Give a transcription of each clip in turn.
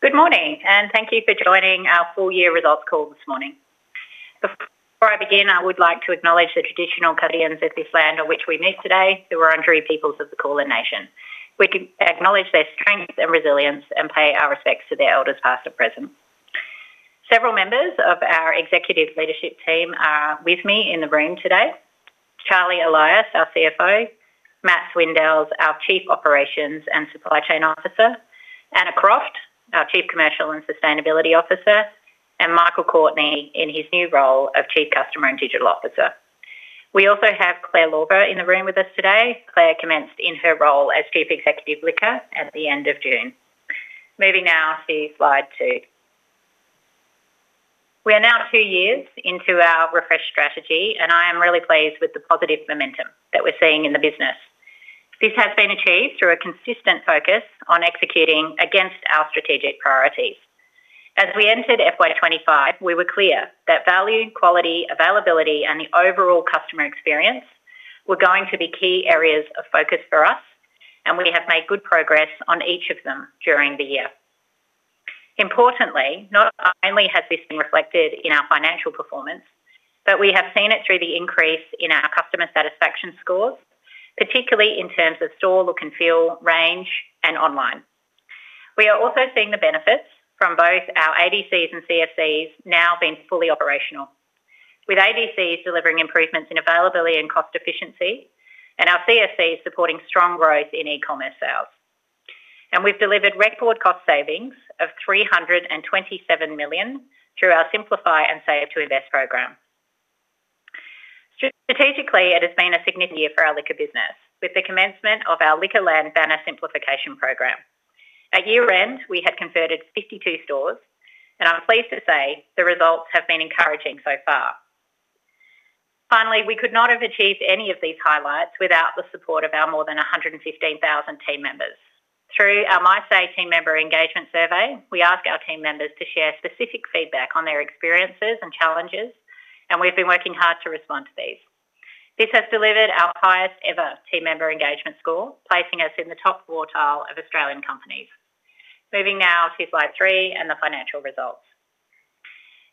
Good morning and thank you for joining our Full-Year Results Call this morning. Before I begin, I would like to acknowledge the traditional custodians of this land on which we meet today, the Wurundjeri peoples of the Kulin Nation. We acknowledge their strength and resilience and pay our respects to their elders past and present. Several members of our executive leadership team are with me in the room today: Charlie Elias, our CFO; Matt Swindells, our Chief Operations and Supply Chain Officer; Anna Croft, our Chief Commercial and Sustainability Officer; and Michael Courtney in his new role of Chief Customer and Digital Officer. We also have Claire Lauber in the room with us today. Claire commenced in her role as Chief Executive Liquor at the end of June. Moving now to slide two. We are now two years into our refresh strategy, and I am really pleased with the positive momentum that we're seeing in the business. This has been achieved through a consistent focus on executing against our strategic priorities. As we entered 2025, we were clear that value, quality, availability, and the overall customer experience were going to be key areas of focus for us, and we have made good progress on each of them during the year. Importantly, not only has this been reflected in our financial performance, but we have seen it through the increase in our customer satisfaction scores, particularly in terms of store, look and feel, range, and online. We are also seeing the benefits from both our ADCs and CSCs now being fully operational, with ADCs delivering improvements in availability and cost efficiency, and our CSCs supporting strong growth in e-commerce sales. We have delivered record cost savings of $327 million through our Simplify and Save to Invest program. Strategically, it has been a significant year for our liquor business, with the commencement of our Liquorland banner simplification program. At year-end, we had converted 52 stores, and I'm pleased to say the results have been encouraging so far. Finally, we could not have achieved any of these highlights without the support of our more than 115,000 team members. Through our MyStay team member engagement survey, we ask our team members to share specific feedback on their experiences and challenges, and we've been working hard to respond to these. This has delivered our highest ever team member engagement score, placing us in the top quartile of Australian companies. Moving now to slide three and the financial results.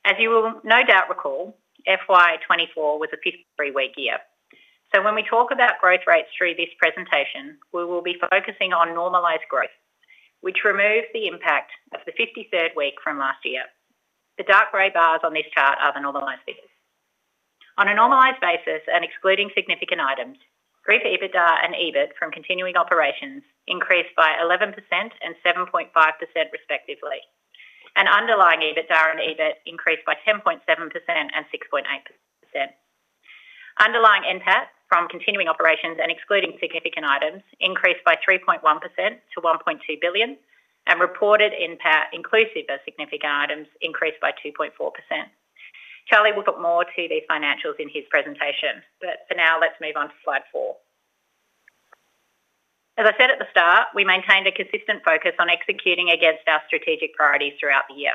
As you will no doubt recall, FY 2024 was a 53-week year. When we talk about growth rates through this presentation, we will be focusing on normalised growth, which removes the impact of the 53rd week from last year. The dark grey bars on this chart are the normalised figures. On a normalised basis and excluding significant items, growth EBITDA and EBIT from continuing operations increased by 11% and 7.5% respectively, and underlying EBITDA and EBIT increased by 10.7% and 6.8%. Underlying NPAT from continuing operations and excluding significant items increased by 3.1% to $1.2 billion, and reported NPAT inclusive of significant items increased by 2.4%. Charlie will talk more to the financials in his presentation, but for now, let's move on to slide four. As I said at the start, we maintained a consistent focus on executing against our strategic priorities throughout the year.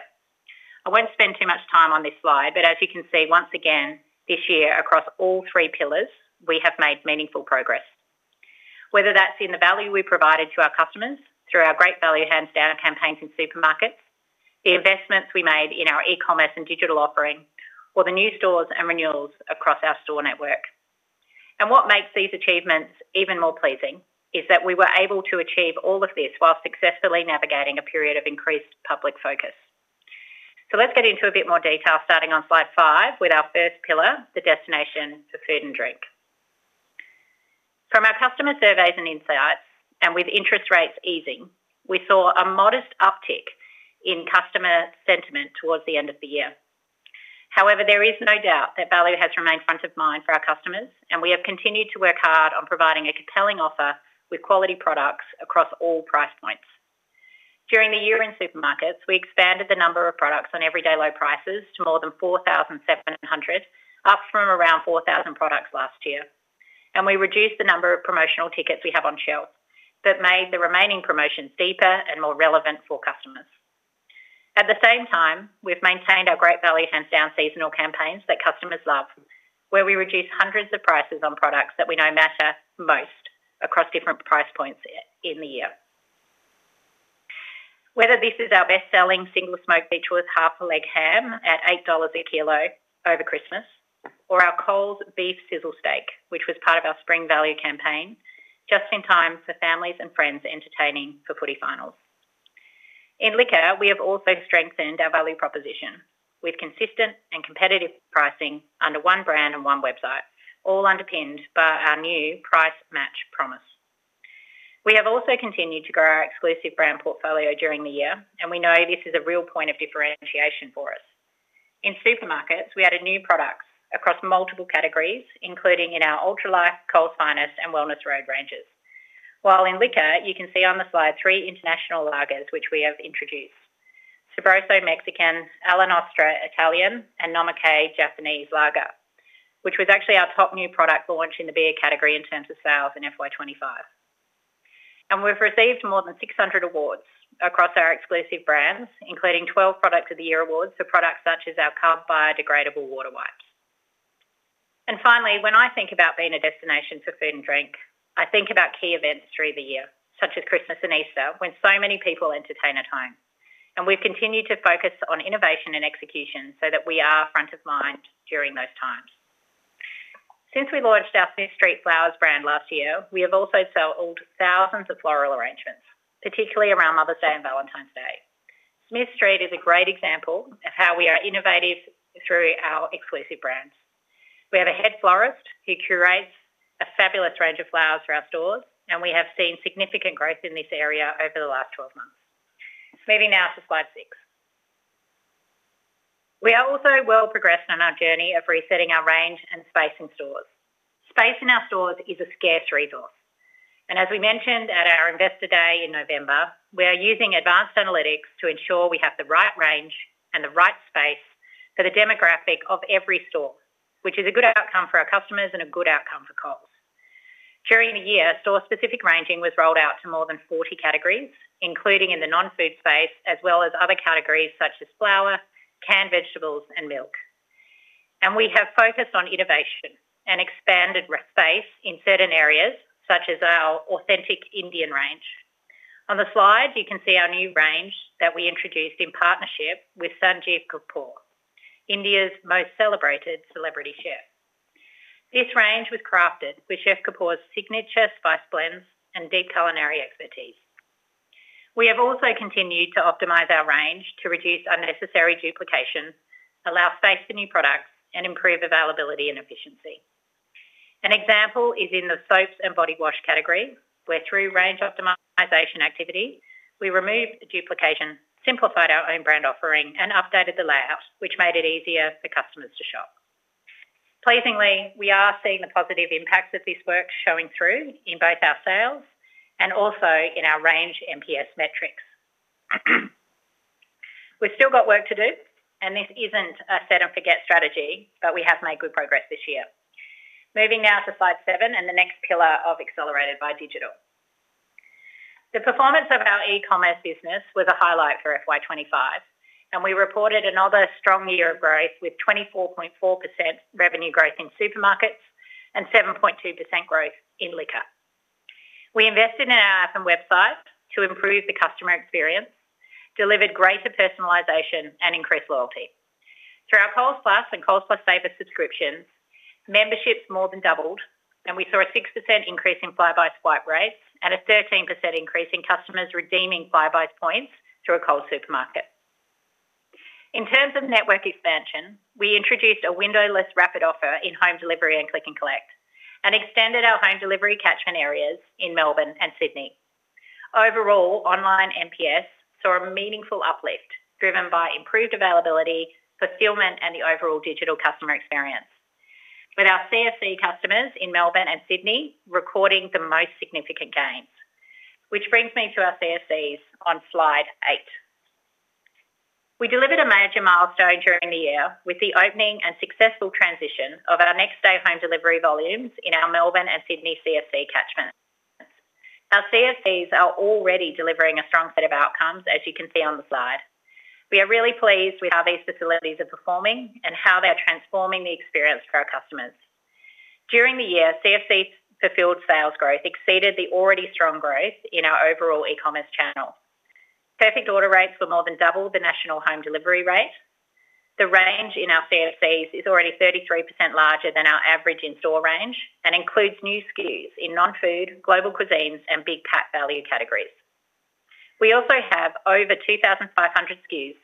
I won't spend too much time on this slide, but as you can see, once again this year across all three pillars, we have made meaningful progress. Whether that's in the value we provided to our customers through our Great Value Hands Down campaigns in Supermarkets, the investments we made in our E-commerce and digital offering, or the new stores and renewals across our store network. What makes these achievements even more pleasing is that we were able to achieve all of this while successfully navigating a period of increased public focus. Let's get into a bit more detail starting on slide five with our first pillar, the destination for food and drink. From our customer surveys and insights, and with interest rates easing, we saw a modest uptick in customer sentiment towards the end of the year. However, there is no doubt that value has remained front of mind for our customers, and we have continued to work hard on providing a compelling offer with quality products across all price points. During the year in Supermarkets, we expanded the number of products on everyday low prices to more than 4,700, up from around 4,000 products last year. We reduced the number of promotional tickets we have on shelf, but made the remaining promotions deeper and more relevant for customers. At the same time, we've maintained our Great Value Hands Down seasonal campaigns that customers love, where we reduce hundreds of prices on products that we know matter most across different price points in the year. Whether this is our best-selling single smoked beetroot half a leg ham at $8 a kilo over Christmas, or our cold beef sizzle steak, which was part of our spring value campaign, just in time for families and friends entertaining for footy finals. In Liquor, we have also strengthened our value proposition with consistent and competitive pricing under one brand and one website, all underpinned by our new price match promise. We have also continued to grow our exclusive brand portfolio during the year, and we know this is a real point of differentiation for us. In Supermarkets, we added new products across multiple categories, including in our UltraLife, Coles Finest, and Wellness Road ranges. In Liquor, you can see on the slide three international lagers, which we have introduced: Sopreso Mexican, Allen Ostra Italian, and Nomikai Japanese lager, which was actually our top new product launch in the beer category in terms of sales in FY 2025. We have received more than 600 awards across our exclusive brands, including 12 Product of the Year awards for products such as our Carb Biodegradable Water Wipes. Finally, when I think about being a destination for food and drink, I think about key events through the year, such as Christmas and Easter, when so many people entertain at home. We have continued to focus on innovation and execution so that we are front of mind during those times. Since we launched our Smith Street Flowers brand last year, we have also sold thousands of floral arrangements, particularly around Mother's Day and Valentine's Day. Smith Street is a great example of how we are innovative through our exclusive brands. We have a Head Florist who curates a fabulous range of flowers for our stores, and we have seen significant growth in this area over the last 12 months. Moving now to slide six. We are also well progressed on our journey of resetting our range and spacing stores. Space in our stores is a scarce resource. As we mentioned at our Investor Day in November, we are using advanced analytics to ensure we have the right range and the right space for the demographic of every store, which is a good outcome for our customers and a good outcome for Coles. During the year, store-specific ranging was rolled out to more than 40 categories, including in the non-food space, as well as other categories such as flour, canned vegetables, and milk. We have focused on innovation and expanded space in certain areas, such as our Authentic Indian range. On the slide, you can see our new range that we introduced in partnership with Sanjeev Kapoor, India's most celebrated celebrity chef. This range was crafted with Chef Kapoor's signature spice blends and deep culinary expertise. We have also continued to optimize our range to reduce unnecessary duplication, allow space for new products, and improve availability and efficiency. An example is in the soaps and body wash category, where through range optimization activity, we removed duplication, simplified our own brand offering, and updated the layout, which made it easier for customers to shop. Pleasingly, we are seeing the positive impacts of this work showing through in both our sales and also in our range MPS metrics. We've still got work to do, and this isn't a set and forget strategy, but we have made good progress this year. Moving now to slide seven and the next pillar of accelerated by digital. The performance of our e-commerce business was a highlight for FY 2025, and we reported another strong year of growth with 24.4% revenue growth in Supermarkets and 7.2% growth in Liquor. We invested in our app and website to improve the customer experience, delivered greater personalization, and increased loyalty. Through our Coles Plus and Coles Plus Savers subscriptions, memberships more than doubled, and we saw a 6% increase in fly-by-swipe rates and a 13% increase in customers redeeming fly-by-swipe points to a Coles Supermarket. In terms of network expansion, we introduced a windowless rapid offer in home delivery and click and collect and extended our home delivery catchment areas in Melbourne and Sydney. Overall, online MPS saw a meaningful uplift driven by improved availability, fulfillment, and the overall digital customer experience, with our CSC customers in Melbourne and Sydney recording the most significant gains, which brings me to our CSCs on slide eight. We delivered a major milestone during the year with the opening and successful transition of our next-day home delivery volumes in our Melbourne and Sydney CSC catchment. Our CSCs are already delivering a strong set of outcomes, as you can see on the slide. We are really pleased with how these facilities are performing and how they're transforming the experience for our customers. During the year, CSC fulfilled sales growth exceeded the already strong growth in our overall e-commerce channel. Perfect order rates were more than double the national home delivery rate. The range in our CSCs is already 33% larger than our average in-store range and includes new SKUs in non-food, global cuisines, and big-pack value categories. We also have over 2,500 SKUs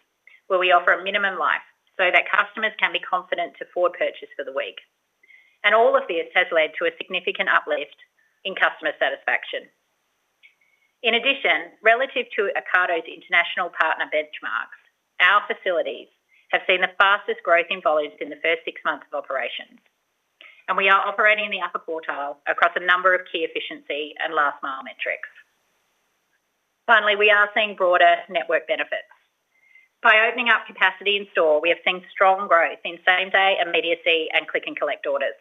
where we offer a minimum life so that customers can be confident to forward purchase for the week. All of this has led to a significant uplift in customer satisfaction. In addition, relative to Ocado's International -artner benchmarks, our facilities have seen the fastest growth in volumes in the first six months of operations, and we are operating in the upper quartile across a number of key efficiency and last mile metrics. Finally, we are seeing broader network benefits. By opening up capacity in-store, we have seen strong growth in same-day immediacy and click and collect orders.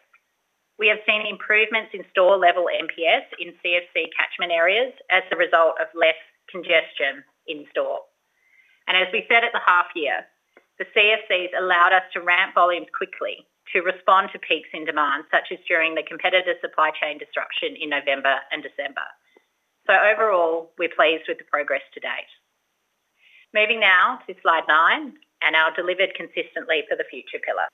We have seen improvements in store-level MPS in CSC catchment areas as a result of less congestion in-store. As we've said at the half year, the CSCs allowed us to ramp volumes quickly to respond to peaks in demand, such as during the competitor supply chain disruption in November and December. Overall, we're pleased with the progress to date. Moving now to slide nine and our delivered consistently for the future pillar.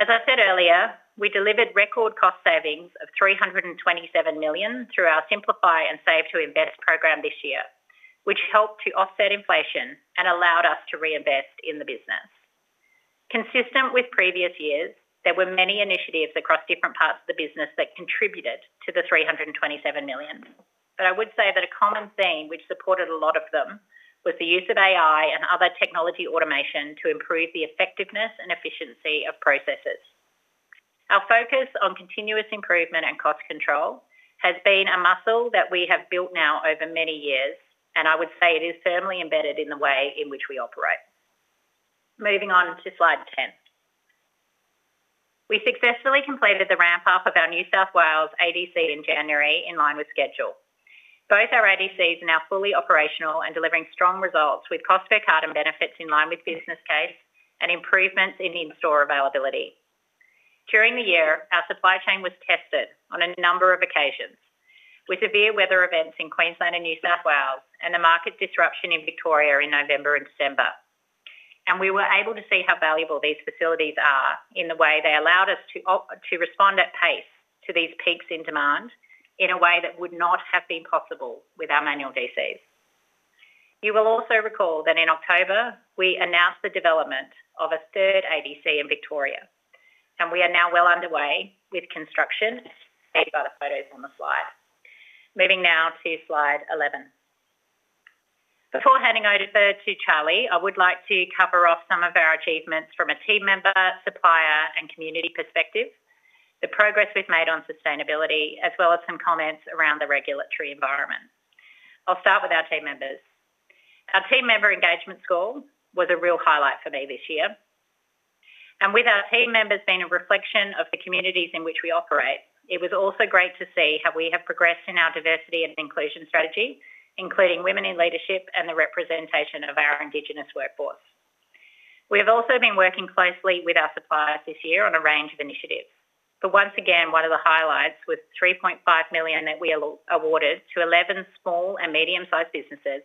As I said earlier, we delivered record cost savings of $327 million through our Simplify and Save to Invest program this year, which helped to offset inflation and allowed us to reinvest in the business. Consistent with previous years, there were many initiatives across different parts of the business that contributed to the $327 million, but I would say that a common theme which supported a lot of them was the use of AI and other technology automation to improve the effectiveness and efficiency of processes. Our focus on continuous improvement and cost control has been a muscle that we have built now over many years, and I would say it is firmly embedded in the way in which we operate. Moving on to slide 10. We successfully completed the ramp-up of our New South Wales ADC in January in line with schedule. Both our ADCs are now fully operational and delivering strong results with cost per carton benefits in line with business case and improvements in in-store availability. During the year, our supply chain was tested on a number of occasions with severe weather events in Queensland and New South Wales and the market disruption in Victoria in November and December. We were able to see how valuable these facilities are in the way they allowed us to respond at pace to these peaks in demand in a way that would not have been possible with our manual DCs. You will also recall that in October, we announced the development of a third ADC in Victoria, and we are now well underway with construction, seen by the photos on the slide. Moving now to slide 11. Before handing over to Charlie, I would like to cover off some of our achievements from a team member, supplier, and community perspective, the progress we've made on sustainability, as well as some comments around the regulatory environment. I'll start with our team members. Our team member engagement score was a real highlight for me this year. With our team members being a reflection of the communities in which we operate, it was also great to see how we have progressed in our diversity and inclusion strategy, including women in leadership and the representation of our Indigenous workforce. We have also been working closely with our suppliers this year on a range of initiatives. One of the highlights was the $3.5 million that we awarded to 11 small and medium-sized businesses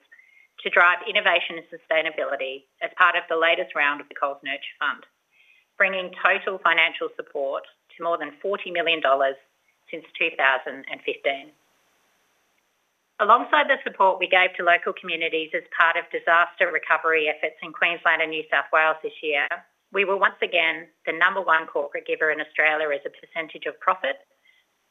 to drive innovation and sustainability as part of the latest round of the Coles Nurture Fund, bringing total financial support to more than $40 million since 2015. Alongside the support we gave to local communities as part of disaster recovery efforts in Queensland and New South Wales this year, we were once again the number one corporate giver in Australia as a percentage of profit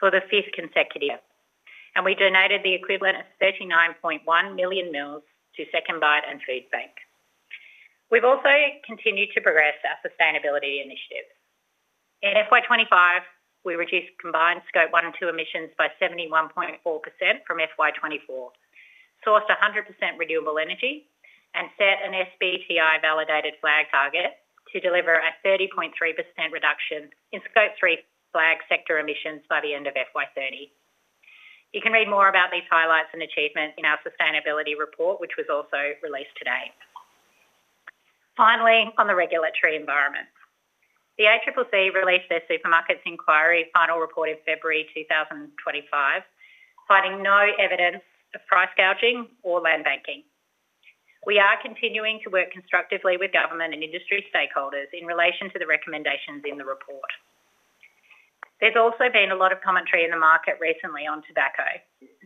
for the fifth consecutive year. We donated the equivalent of $39.1 million to SecondBite and Foodbank. We've also continued to progress our sustainability initiative. In FY 2025, we reduced combined Scope 1 and 2 emissions by 71.4% from FY24, sourced 100% renewable energy, and set an SBTI-validated FLAG target to deliver a 30.3% reduction in Scope 3 FLAG sector emissions by the end of FY 2030. You can read more about these highlights and achievements in our sustainability report, which was also released today. Finally, on the regulatory environment, the ACCC released their Supermarkets Inquiry Final Report in February 2025, citing no evidence of price gouging or land banking. We are continuing to work constructively with government and industry stakeholders in relation to the recommendations in the report. There's also been a lot of commentary in the market recently on tobacco.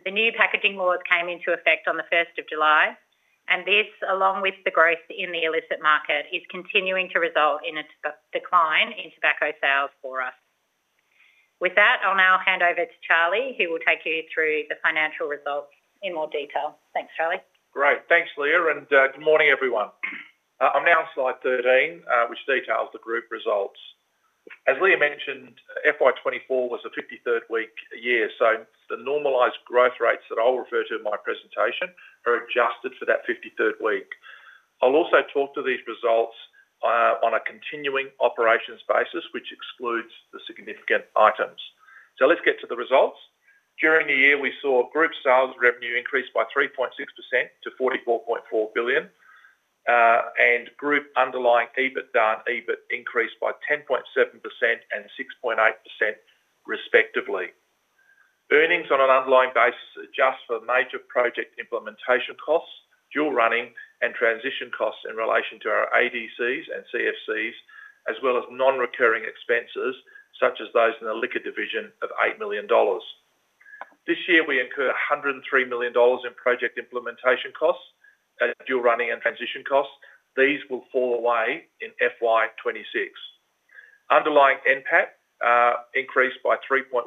The new packaging laws came into effect on 1st of July, and this, along with the growth in the illicit market, is continuing to result in a decline in tobacco sales for us. With that, I'll now hand over to Charlie, who will take you through the financial results in more detail. Thanks, Charlie. Great. Thanks, Leah, and good morning, everyone. I'm now on slide 13, which details the group results. As Leah mentioned, FY 2024 was a 53rd-week year, so the normalised growth rates that I'll refer to in my presentation are adjusted for that 53rd-week. I'll also talk to these results on a continuing operations basis, which excludes the significant items. Let's get to the results. During the year, we saw group sales revenue increase by 3.6% to $44.4 billion, and group underlying EBITDA and EBIT increased by 10.7% and 6.8% respectively. Earnings on an underlying basis adjust for major project implementation costs, dual running, and transition costs in relation to our ADCs and CFCs, as well as non-recurring expenses, such as those in the liquor division of $8 million. This year, we incurred $103 million in project implementation costs and dual running and transition costs. These will fall away in FY 2026. Underlying NPAT increased by 3.1%.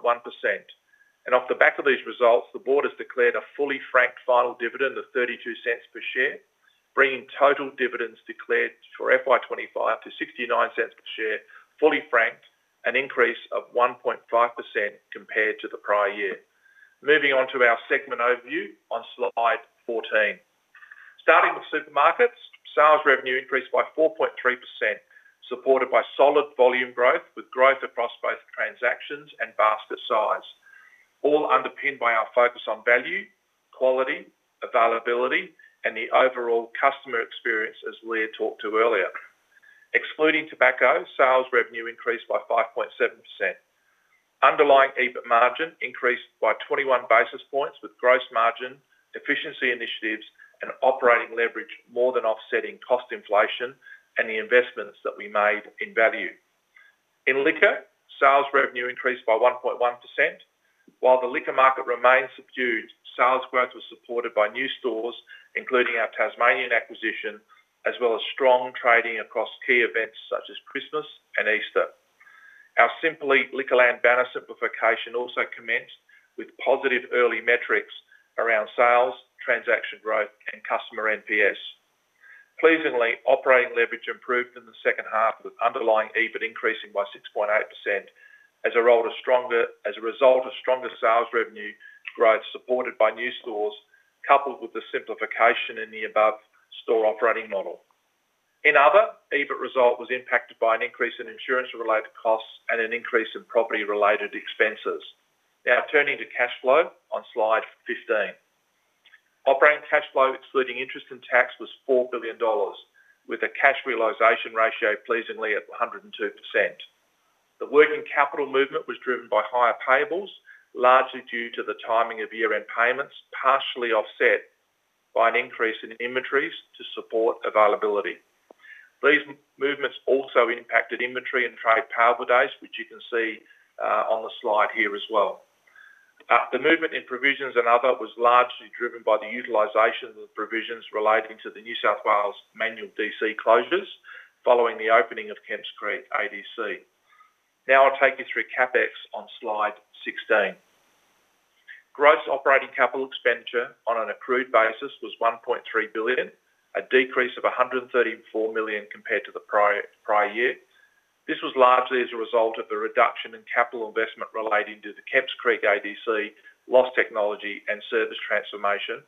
Off the back of these results, the board has declared a fully franked final dividend of $0.32 per share, bringing total dividends declared for FY 2025 to $0.69 per share, fully franked, an increase of 1.5% compared to the prior year. Moving on to our segment overview on slide 14. Starting with Supermarkets, sales revenue increased by 4.3%, supported by solid volume growth, with growth across both transactions and basket size, all underpinned by our focus on value, quality, availability, and the overall customer experience, as Leah talked to earlier. Excluding tobacco, sales revenue increased by 5.7%. Underlying EBIT margin increased by 21 basis points, with gross margin, efficiency initiatives, and operating leverage more than offsetting cost inflation and the investments that we made in value. In Liquor, sales revenue increased by 1.1%. While the liquor market remains subdued, sales growth was supported by new stores, including our Tasmanian acquisition, as well as strong trading across key events such as Christmas and Easter. Our Simply Liquorland banner simplification also commenced with positive early metrics around sales, transaction growth, and customer NPS. Pleasingly, operating leverage improved in the second half, with underlying EBIT increasing by 6.8% as a result of stronger sales revenue growth supported by new stores, coupled with the simplification in the above store operating model. In Other, EBIT result was impacted by an increase in insurance-related costs and an increase in property-related expenses. Now, turning to cash flow on slide 15. Operating cash flow, excluding interest and tax, was $4 billion, with a cash realisation ratio pleasingly at 102%. The working capital movement was driven by higher payables, largely due to the timing of year-end payments, partially offset by an increase in inventories to support availability. These movements also impacted inventory and trade payable days, which you can see on the slide here as well. The movement in provisions and other was largely driven by the utilisation of the provisions relating to the New South Wales manual DC closures following the opening of Kemps Creek ADC. Now I'll take you through CapEx on slide 16. Gross operating capital expenditure on an accrued basis was $1.3 billion, a decrease of $134 million compared to the prior year. This was largely as a result of the reduction in capital investment relating to the Kemps Creek ADC, lost technology, and service transformation,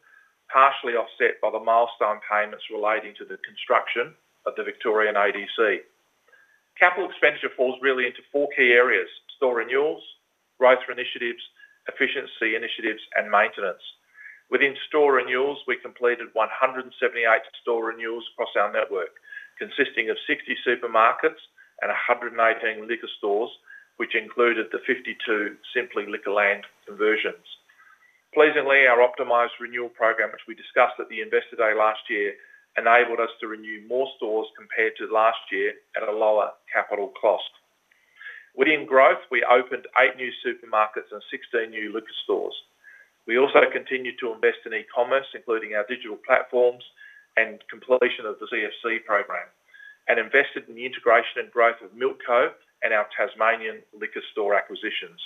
partially offset by the milestone payments relating to the construction of the Victorian ADC. Capital expenditure falls really into four key areas: store renewals, growth initiatives, efficiency initiatives, and maintenance. Within store renewals, we completed 178 store renewals across our network, consisting of 60 supermarkets and 118 liquor stores, which included the 52 Simply Liquorland conversions. Pleasingly, our optimised renewal program, which we discussed at the Investor Day last year, enabled us to renew more stores compared to last year at a lower capital cost. Within growth, we opened eight new supermarkets and 16 new liquor stores. We also continued to invest in e-commerce, including our digital platforms and completion of the CFC program, and invested in the integration and growth of MilkCo and our Tasmanian liquor store acquisitions.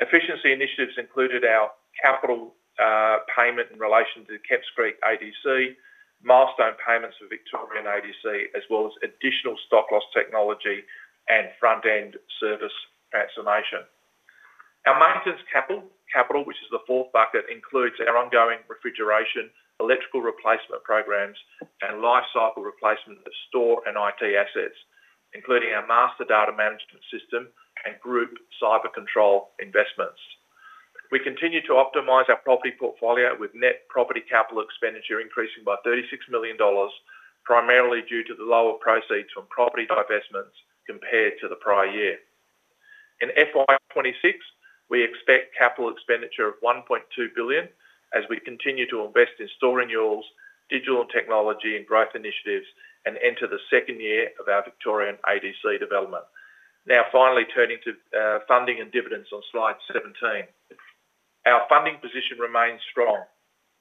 Efficiency initiatives included our capital payment in relation to the Kemps Creek ADC, milestone payments for Victorian ADC, as well as additional stock loss technology and front-end service transformation. Our maintenance capital, which is the fourth bucket, includes our ongoing refrigeration, electrical replacement programs, and lifecycle replacement of store and IT assets, including our master data management system and group cyber control investments. We continue to optimise our property portfolio, with net property capital expenditure increasing by $36 million, primarily due to the lower proceeds from property divestments compared to the prior year. In FY 2026, we expect capital expenditure of $1.2 billion as we continue to invest in store renewals, digital and technology, and growth initiatives, and enter the second year of our Victorian ADC development. Now, finally, turning to funding and dividends on slide 17. Our funding position remains strong.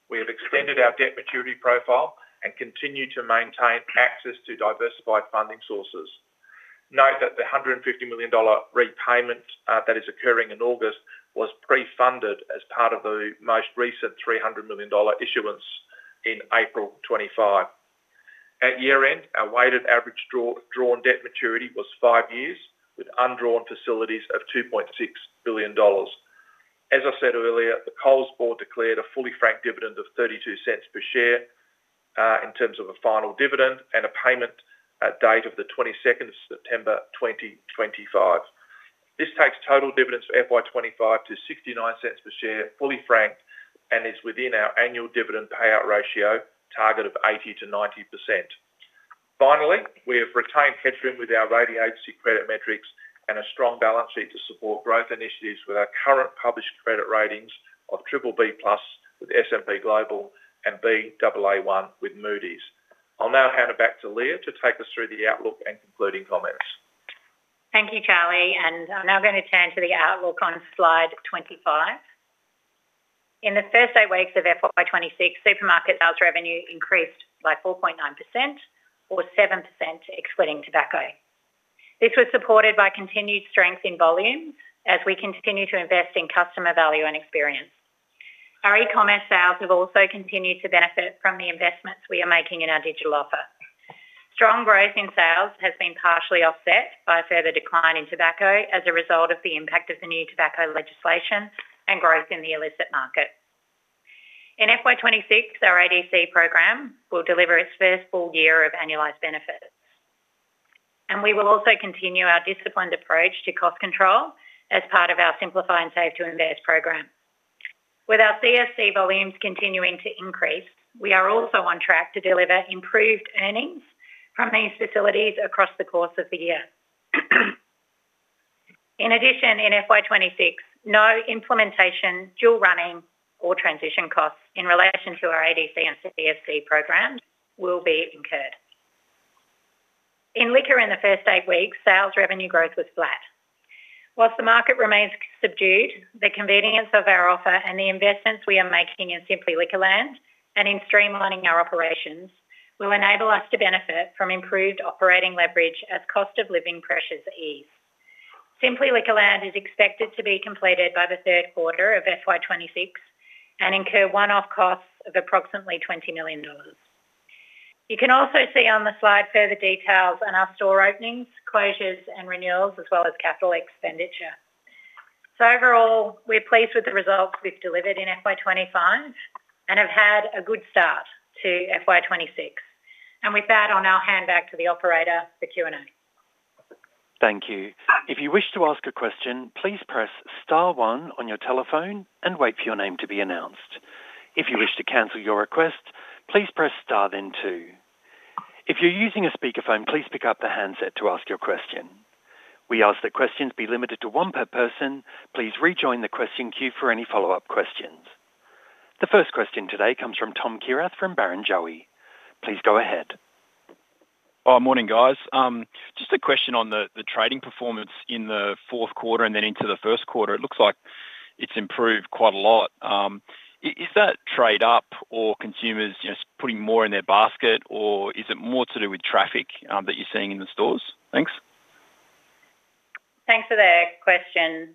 We have extended our debt maturity profile and continue to maintain access to diversified funding sources. Note that the $150 million repayment that is occurring in August was pre-funded as part of the most recent $300 million issuance in April 2025. At year-end, our weighted average drawn debt maturity was five years, with undrawn facilities of $2.6 billion. As I said earlier, the Coles Board declared a fully franked dividend of $0.32 per share in terms of a final dividend and a payment date of the 22nd of September 2025. This takes total dividends for FY 2025 to $0.69 per share, fully franked, and is within our annual dividend payout ratio target of 80%-90%. Finally, we have retained catering with our 80 agency credit metrics and a strong balance sheet to support growth initiatives with our current published credit ratings of BBB+ with S&P Global and Baa1 with Moody’s. I'll now hand it back to Leah to take us through the outlook and concluding comments. Thank you, Charlie. I'm now going to turn to the outlook on slide 25. In the first eight weeks of FY 2026, supermarket sales revenue increased by 4.9%, or 7% excluding tobacco. This was supported by continued strength in volumes as we continue to invest in customer value and experience. Our e-commerce sales have also continued to benefit from the investments we are making in our digital offer. Strong growth in sales has been partially offset by further decline in tobacco as a result of the impact of the new tobacco legislation and growth in the illicit market. In FY 2026, our ADC program will deliver its first full year of annualized benefits. We will also continue our disciplined approach to cost control as part of our Simplify and Save to Invest program. With our CSC volumes continuing to increase, we are also on track to deliver improved earnings from these facilities across the course of the year. In addition, in FY 2026, no implementation, dual running, or transition costs in relation to our ADC and CSC programs will be incurred. In Liquor, in the first eight weeks, sales revenue growth was flat. While the market remains subdued, the convenience of our offer and the investments we are making in Simply Liquorland and in streamlining our operations will enable us to benefit from improved operating leverage as cost of living pressures ease. Simply Liquorland is expected to be completed by the third quarter of FY 2026 and incur one-off costs of approximately $20 million. You can also see on the slide further details on our store openings, closures, and renewals, as well as capital expenditure. Overall, we're pleased with the results we've delivered in FY 2025 and have had a good start to FY 2026. With that, I'll now hand back to the operator for Q&A. Thank you. If you wish to ask a question, please press star one on your telephone and wait for your name to be announced. If you wish to cancel your request, please press star then two. If you're using a speakerphone, please pick up the handset to ask your question. We ask that questions be limited to one per person. Please rejoin the question queue for any follow-up questions. The first question today comes from Tom Kierath from Barrenjoey. Please go ahead. Morning guys. Just a question on the trading performance in the fourth quarter and then into the first quarter. It looks like it's improved quite a lot. Is that trade up or consumers putting more in their basket, or is it more to do with traffic that you're seeing in the stores? Thanks. Thanks for that question,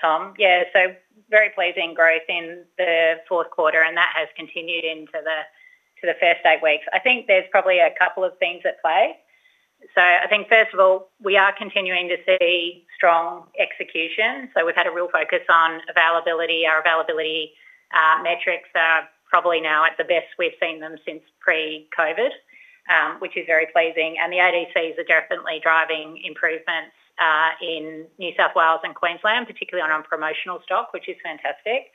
Tom. Yeah, very pleasing growth in the fourth quarter, and that has continued into the first eight weeks. I think there's probably a couple of things at play. First of all, we are continuing to see strong execution. We've had a real focus on availability. Our availability metrics are probably now at the best we've seen them since pre-COVID, which is very pleasing. The ADCs are definitely driving improvements in New South Wales and Queensland, particularly on promotional stock, which is fantastic.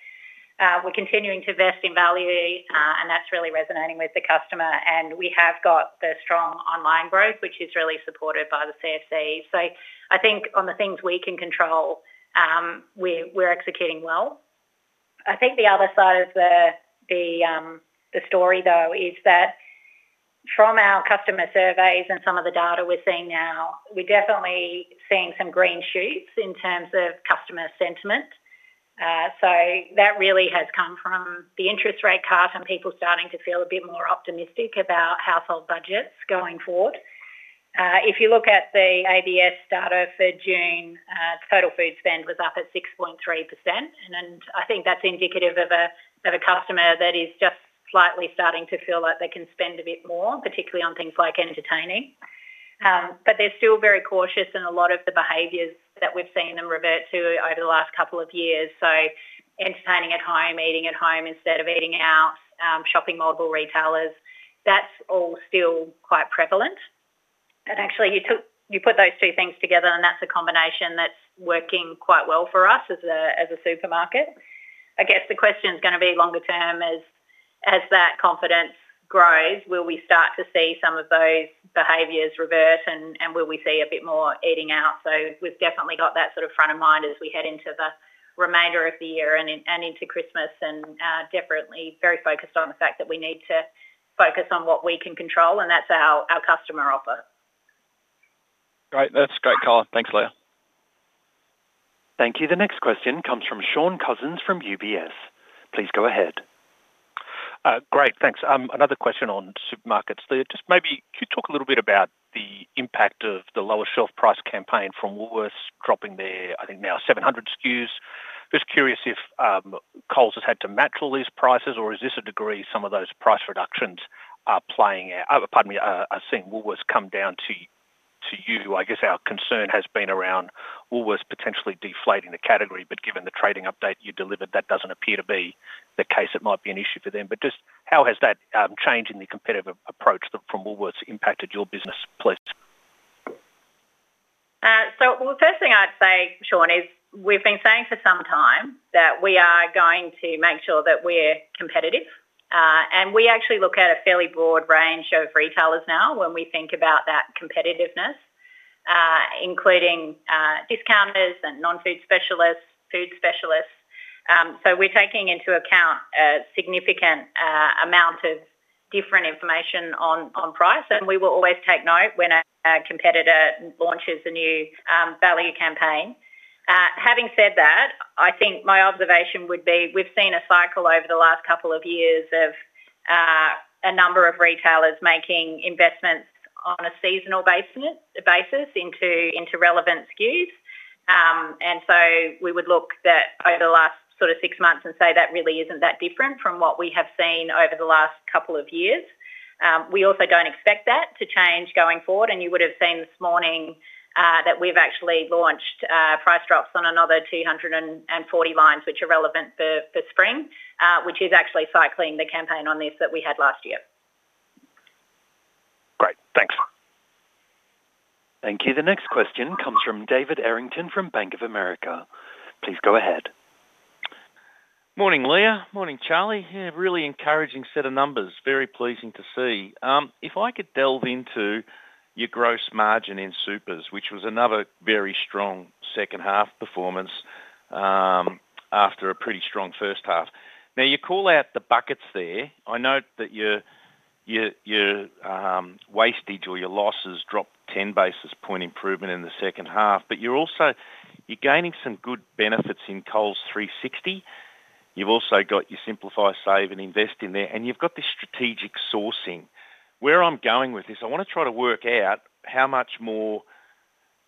We're continuing to invest in value, and that's really resonating with the customer. We have got the strong online growth, which is really supported by the CFC. On the things we can control, we're executing well. The other side of the story is that from our customer surveys and some of the data we're seeing now, we're definitely seeing some green shoots in terms of customer sentiment. That really has come from the interest rate cut and people starting to feel a bit more optimistic about household budgets going forward. If you look at the ABS data for June, total food spend was up at 6.3%. I think that's indicative of a customer that is just slightly starting to feel like they can spend a bit more, particularly on things like entertaining. They're still very cautious, and a lot of the behaviors that we've seen them revert to over the last couple of years. Entertaining at home, eating at home instead of eating out, shopping multiple retailers, that's all still quite prevalent. Actually, you put those two things together, and that's a combination that's working quite well for us as a supermarket. I guess the question is going to be longer term, as that confidence grows, will we start to see some of those behaviors reverse, and will we see a bit more eating out? We've definitely got that sort of front of mind as we head into the remainder of the year and into Christmas, and are definitely very focused on the fact that we need to focus on what we can control, and that's our customer offer. Great. That's great a color. Thanks, Leah. Thank you. The next question comes from Shaun Cousins from UBS. Please go ahead. Great, thanks. Another question on Supermarkets. Could you talk a little bit about the impact of the lower shelf price campaign from Woolworths dropping their, I think, now 700 SKUs? Just curious if Coles has had to match all these prices, or is this a degree some of those price reductions are playing out? I think Woolworths come down to you. I guess our concern has been around Woolworths potentially deflating the category, but given the trading update you delivered, that doesn't appear to be the case. It might be an issue for them. Just how has that change in the competitive approach from Woolworths impacted your business, please? The first thing I'd say, Shaun, is we've been saying for some time that we are going to make sure that we're competitive. We actually look at a fairly broad range of retailers now when we think about that competitiveness, including discounters, non-food specialists, and food specialists. We're taking into account a significant amount of different information on price, and we will always take note when a competitor launches a new value campaign. Having said that, I think my observation would be we've seen a cycle over the last couple of years of a number of retailers making investments on a seasonal basis into relevant SKUs. We would look at over the last sort of six months and say that really isn't that different from what we have seen over the last couple of years. We also don't expect that to change going forward. You would have seen this morning that we've actually launched price drops on another 240 lines, which are relevant for spring, which is actually cycling the campaign on this that we had last year. Great, thanks. Thank you. The next question comes from David Errington from Bank of America. Please go ahead. Morning, Leah. Morning, Charlie. Really encouraging set of numbers, very pleasing to see. If I could delve into your gross margin in supers, which was another very strong second half performance after a pretty strong first half. You call out the buckets there. I note that your wastage or your losses dropped, 10 basis point improvement in the second half, but you're also gaining some good benefits in Coles 360. You've also got your Simplify and Save to Invest in there, and you've got this strategic sourcing. Where I'm going with this, I want to try to work out how much more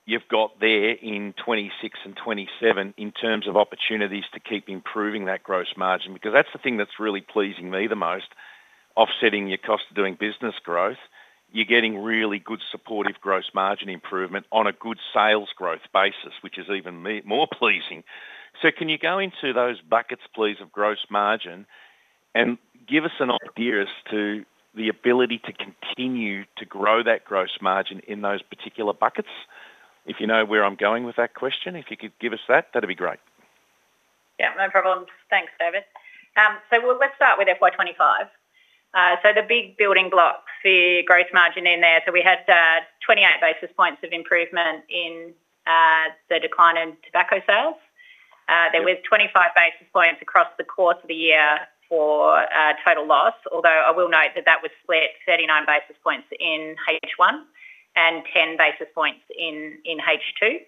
you've got there in 2026 and 2027 in terms of opportunities to keep improving that gross margin, because that's the thing that's really pleasing me the most. Offsetting your cost of doing business growth, you're getting really good supportive gross margin improvement on a good sales growth basis, which is even more pleasing. Can you go into those buckets, please, of gross margin and give us an idea as to the ability to continue to grow that gross margin in those particular buckets? If you know where I'm going with that question, if you could give us that, that'd be great. Yeah, no problem. Thanks, David. Let's start with FY 2025. The big building blocks for gross margin in there, we had 28 basis points of improvement in the decline in tobacco sales. There were 25 basis points across the course of the year for total loss, although I will note that was split 39 basis points in H1 and 10 basis points in H2.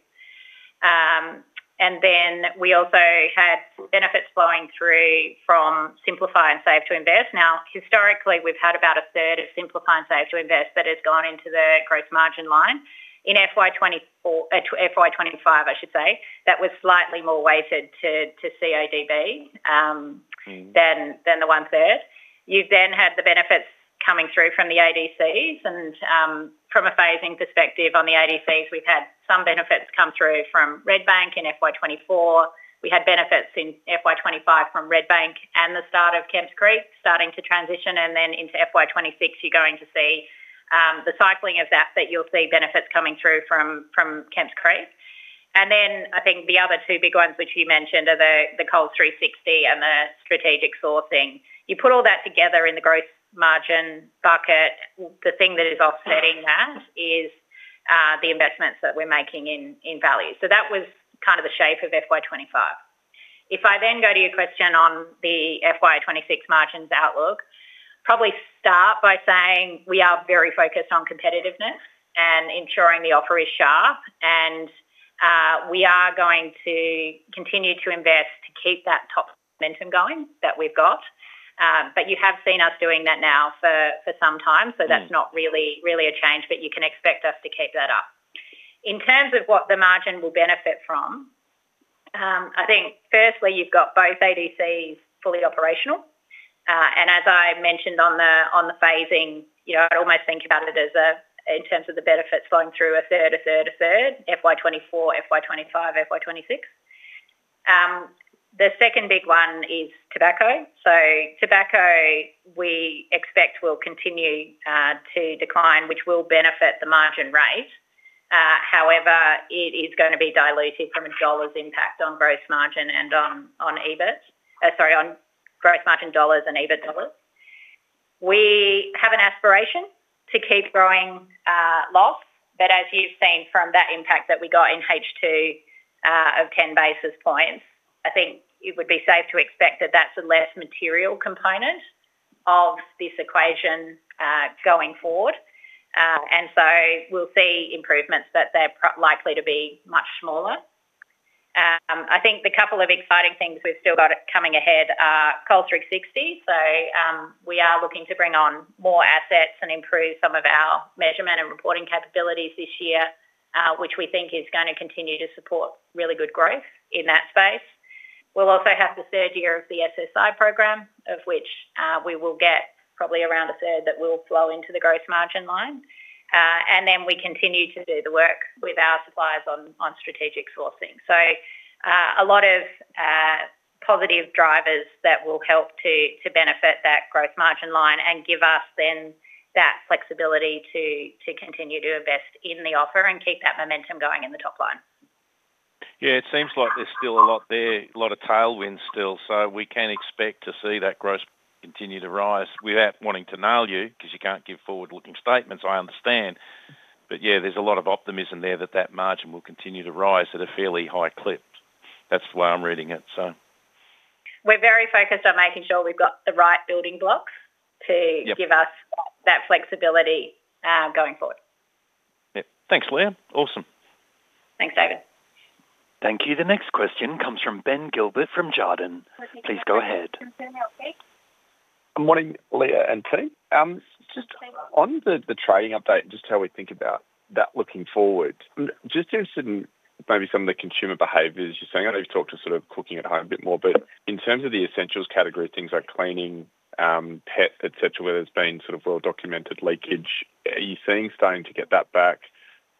We also had benefits flowing through from Simplify and Save to Invest. Historically, we've had about a third of Simplify and Save to Invest that has gone into the gross margin line. In FY 2025, I should say, that was slightly more weighted to CADB than the one-third. You then had the benefits coming through from the ADCs, and from a phasing perspective on the ADCs, we've had some benefits come through from Red Bank in FY 2024. We had benefits in FY 2025 from Red Bank and the start of Kemps Creek starting to transition, and into FY 2026, you're going to see the cycling of that, that you'll see benefits coming through from Kemps Creek. I think the other two big ones which you mentioned are the Coles 360 and the strategic sourcing. You put all that together in the gross margin bucket. The thing that is offsetting that is the investments that we're making in value. That was kind of the shape of FY 2025. If I then go to your question on the FY 2026 margins outlook, probably start by saying we are very focused on competitiveness and ensuring the offer is sharp, and we are going to continue to invest to keep that top momentum going that we've got. You have seen us doing that now for some time, so that's not really a change, but you can expect us to keep that up. In terms of what the margin will benefit from, I think firstly, you've got both ADCs fully operational. As I mentioned on the phasing, I'd almost think about it as in terms of the benefits flowing through a third, a third, a third, FY 2024, FY 2025, FY 2026. The second big one is tobacco. Tobacco we expect will continue to decline, which will benefit the margin rate. However, it is going to be diluted from a dollar's impact on gross margin and on EBIT, sorry, on gross margin dollars and EBIT dollars. We have an aspiration to keep growing loss, but as you've seen from that impact that we got in H2 of 10 basis points, I think it would be safe to expect that that's a less material component of this equation going forward. We'll see improvements, but they're likely to be much smaller. I think the couple of exciting things we've still got coming ahead are Coles 360. We are looking to bring on more assets and improve some of our measurement and reporting capabilities this year, which we think is going to continue to support really good growth in that space. We'll also have the third year of the SSI program, of which we will get probably around a third that will flow into the gross margin line. We continue to do the work with our suppliers on strategic sourcing. A lot of positive drivers will help to benefit that gross margin line and give us that flexibility to continue to invest in the offer and keep that momentum going in the top line. It seems like there's still a lot there, a lot of tailwinds still. We can expect to see that gross continue to rise without wanting to nail you because you can't give forward-looking statements, I understand. There's a lot of optimism there that that margin will continue to rise at a fairly high clip. That's the way I'm reading it. We're very focused on making sure we've got the right building blocks to give us that flexibility going forward. Yeah, thanks, Leah. Awesome. Thanks, David. Thank you. The next question comes from Ben Gilbert from Jarden. Please go ahead. Morning, Leah and Ted. Just on the trading update and just how we think about that looking forward, just in maybe some of the consumer behaviors you're seeing, I know you've talked to sort of cooking at home a bit more, but in terms of the essentials category, things like cleaning, pet, etc., where there's been sort of well-documented leakage, are you seeing starting to get that back?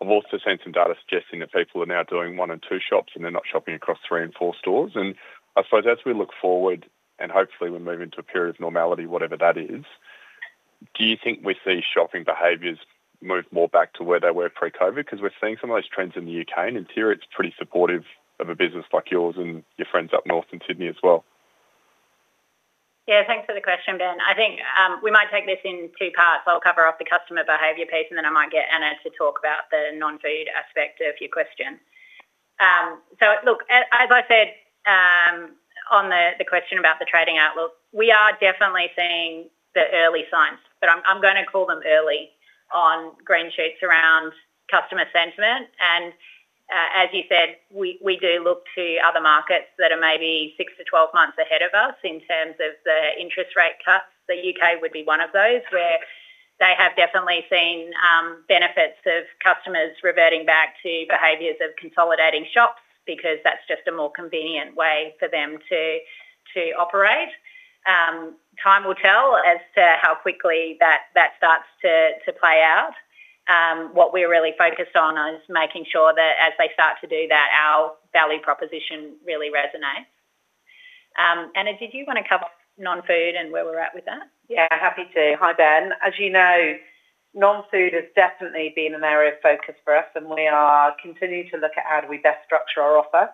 I've also seen some data suggesting that people are now doing one and two shops and they're not shopping across three and four stores. I suppose as we look forward and hopefully we move into a period of normality, whatever that is, do you think we see shopping behaviors move more back to where they were pre-COVID? We're seeing some of those trends in the U.K. and in theory, it's pretty supportive of a business like yours and your friends up north in Sydney as well. Yeah, thanks for the question, Ben. I think we might take this in two parts. I'll cover off the customer behavior piece, and then I might get Anna to talk about the non-food aspect of your question. As I said on the question about the trading outlook, we are definitely seeing the early signs, but I'm going to call them early on green shoots around customer sentiment. As you said, we do look to other markets that are maybe six to 12 months ahead of us in terms of the interest rate cut. The U.K. would be one of those where they have definitely seen benefits of customers reverting back to behaviors of consolidating shops because that's just a more convenient way for them to operate. Time will tell as to how quickly that starts to play out. What we're really focused on is making sure that as they start to do that, our value proposition really resonates. Anna, did you want to cover non-food and where we're at with that? Happy to. Hi, Ben. As you know, non-food has definitely been an area of focus for us and we are continuing to look at how do we best structure our offer.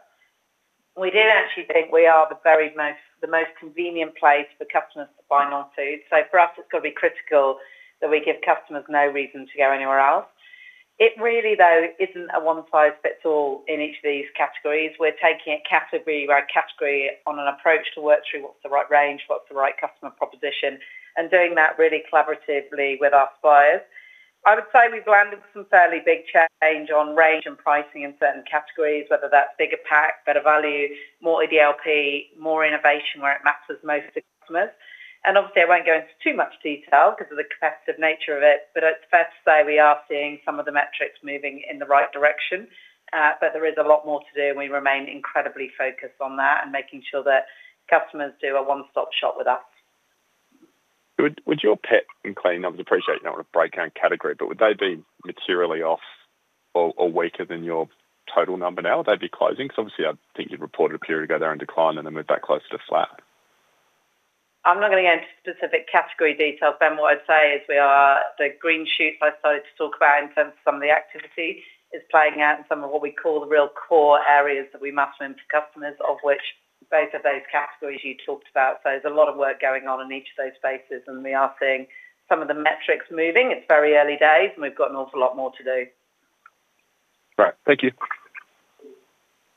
We did actually think we are the very most convenient place for customers to buy non-food. For us, it's going to be critical that we give customers no reason to go anywhere else. It really isn't a one-size-fits-all in each of these categories. We're taking it category by category on an approach to work through what's the right range, what's the right customer proposition, and doing that really collaboratively with our suppliers. I would say we've landed some fairly big change on range and pricing in certain categories, whether that's bigger pack, better value, more everyday low prices, more innovation where it matters most to customers. Obviously, I won't go into too much detail because of the competitive nature of it, but it's fair to say we are seeing some of the metrics moving in the right direction. There is a lot more to do and we remain incredibly focused on that and making sure that customers do a one-stop shop with us. Would your pit and cleaning, I would appreciate you not want to break out in category, but would they be materially off or weaker than your total number now? Would they be closing? Because obviously, I think you'd reported a period ago they're in decline and they moved back closer to flat. I'm not going to go into specific category details. Ben what I'd say is we are the green shoot, I suppose, to talk about in terms of some of the activity is playing out and some of what we call the real core areas that we must win for customers, of which both of those categories you talked about. There's a lot of work going on in each of those spaces and we are seeing some of the metrics moving. It's very early days and we've got an awful lot more to do. Right, thank you.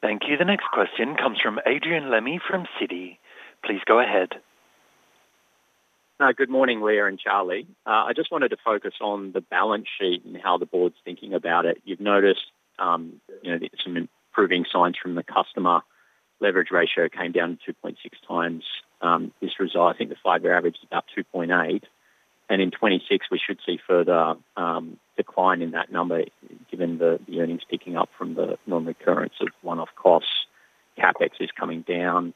Thank you. The next question comes from Adrian Lemme from Citi. Please go ahead. Good morning, Leah and Charlie. I just wanted to focus on the balance sheet and how the Board's thinking about it. You've noticed some improving signs from the customer. Leverage ratio came down to 2.6x. This result, I think the five-year average is about 2.8x. In 2026, we should see further decline in that number given the earnings picking up from the non-recurrence of one-off costs. CapEx is coming down.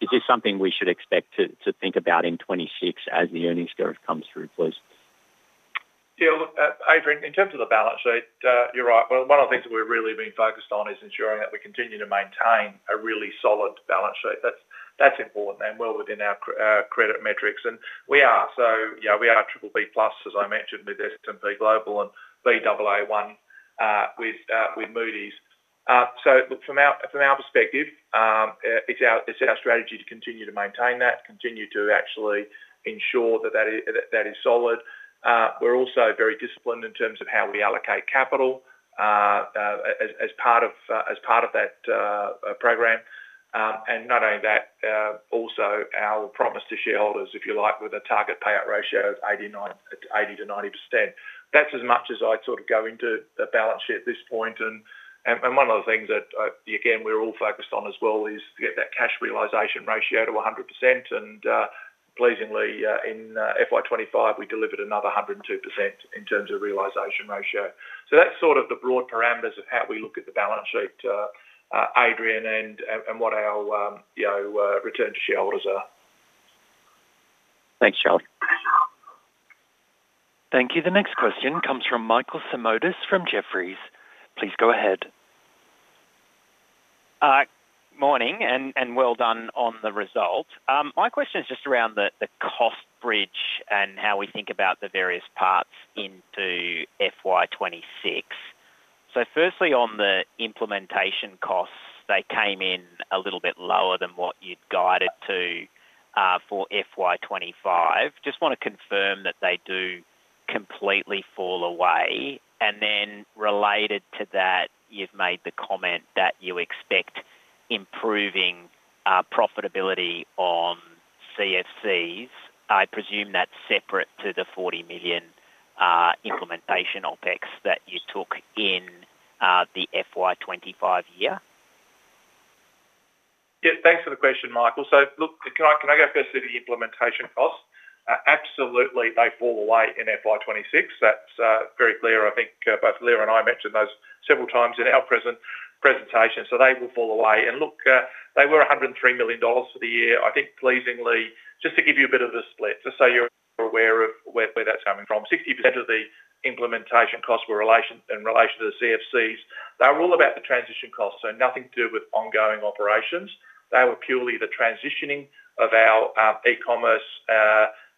Is this something we should expect to think about in 2026 as the earnings curve comes through, please? Yeah, look, Adrian, in terms of the balance sheet, you're right. One of the things that we're really being focused on is ensuring that we continue to maintain a really solid balance sheet. That's important and well within our credit metrics. We are, yeah, we are BBB+ as I mentioned with S&P Global and Baa1 with Moody's. From our perspective, it's our strategy to continue to maintain that, continue to actually ensure that that is solid. We're also very disciplined in terms of how we allocate capital as part of that program. Not only that, also our promise to shareholders, if you like, with a target payout ratio of 80-90%. That's as much as I'd sort of go into the balance sheet at this point. One of the things that, again, we're all focused on as well is to get that cash realization ratio to 100%. Pleasingly, in FY 2025, we delivered another 102% in terms of realization ratio. That's sort of the broad parameters of how we look at the balance sheet, Adrian, and what our return to shareholders are. Thanks, Charlie. Thank you. The next question comes from Michael Simotas from Jefferies. Please go ahead. Morning and well done on the result. My question is just around the cost bridge and how we think about the various parts into FY 2026. Firstly, on the implementation costs, they came in a little bit lower than what you'd guided to for FY 2025. I just want to confirm that they do completely fall away. Related to that, you've made the comment that you expect improving profitability on CFCs. I presume that's separate to the $40 million implementation OpEx that you took in the FY 2025 year. Yeah, thanks for the question, Michael. Can I go first to the implementation costs? Absolutely, they fall away in FY 2026. That's very clear. I think both Leah and I mentioned those several times in our presentation. They will fall away. They were $103 million for the year. Pleasingly, just to give you a bit of a split, just so you're aware of where that's coming from, 60% of the implementation costs were in relation to the CFCs. They're all about the transition costs, nothing to do with ongoing operations. They were purely the transitioning of our e-commerce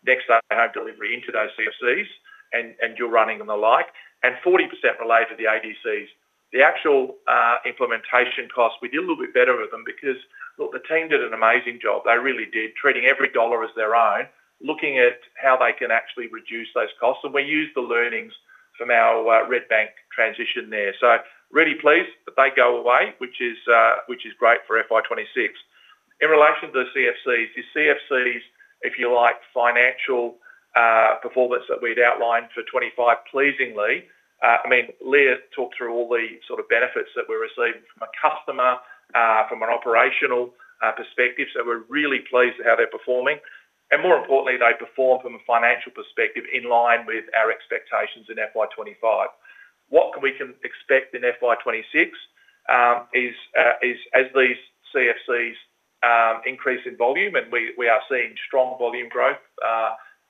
next-day home delivery into those CFCs and your running and the like. 40% related to the ADCs. The actual implementation costs, we did a little bit better with them because the team did an amazing job. They really did, treating every dollar as their own, looking at how they can actually reduce those costs. We used the learnings from our Red Bank transition there. Ready, please, but they go away, which is great for FY 2026. In relation to the CFCs, the CFCs, if you like, financial performance that we'd outlined for 2025, pleasingly, I mean, Leah talked through all the sort of benefits that we're receiving from a customer, from an operational perspective. We're really pleased with how they're performing. More importantly, they perform from a financial perspective in line with our expectations in FY 2025. What we can expect in FY 2026 is as these CFCs increase in volume, and we are seeing strong volume growth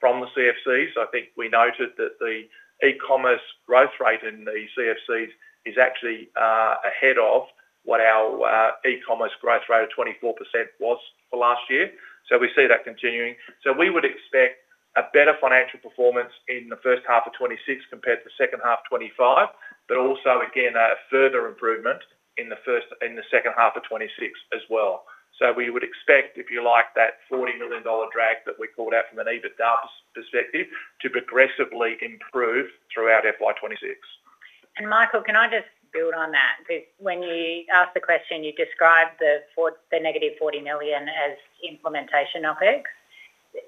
from the CFCs. I think we noted that the e-commerce growth rate in the CFCs is actually ahead of what our e-commerce growth rate of 24% was for last year. We see that continuing. We would expect a better financial performance in the first half of 2026 compared to the second half of 2025, but also again a further improvement in the second half of 2026 as well. We would expect, if you like, that $40 million drag that we pulled out from an EBITDA perspective to progressively improve throughout FY 2026. Michael, can I just build on that? When you asked the question, you described the negative $40 million as implementation OpEx.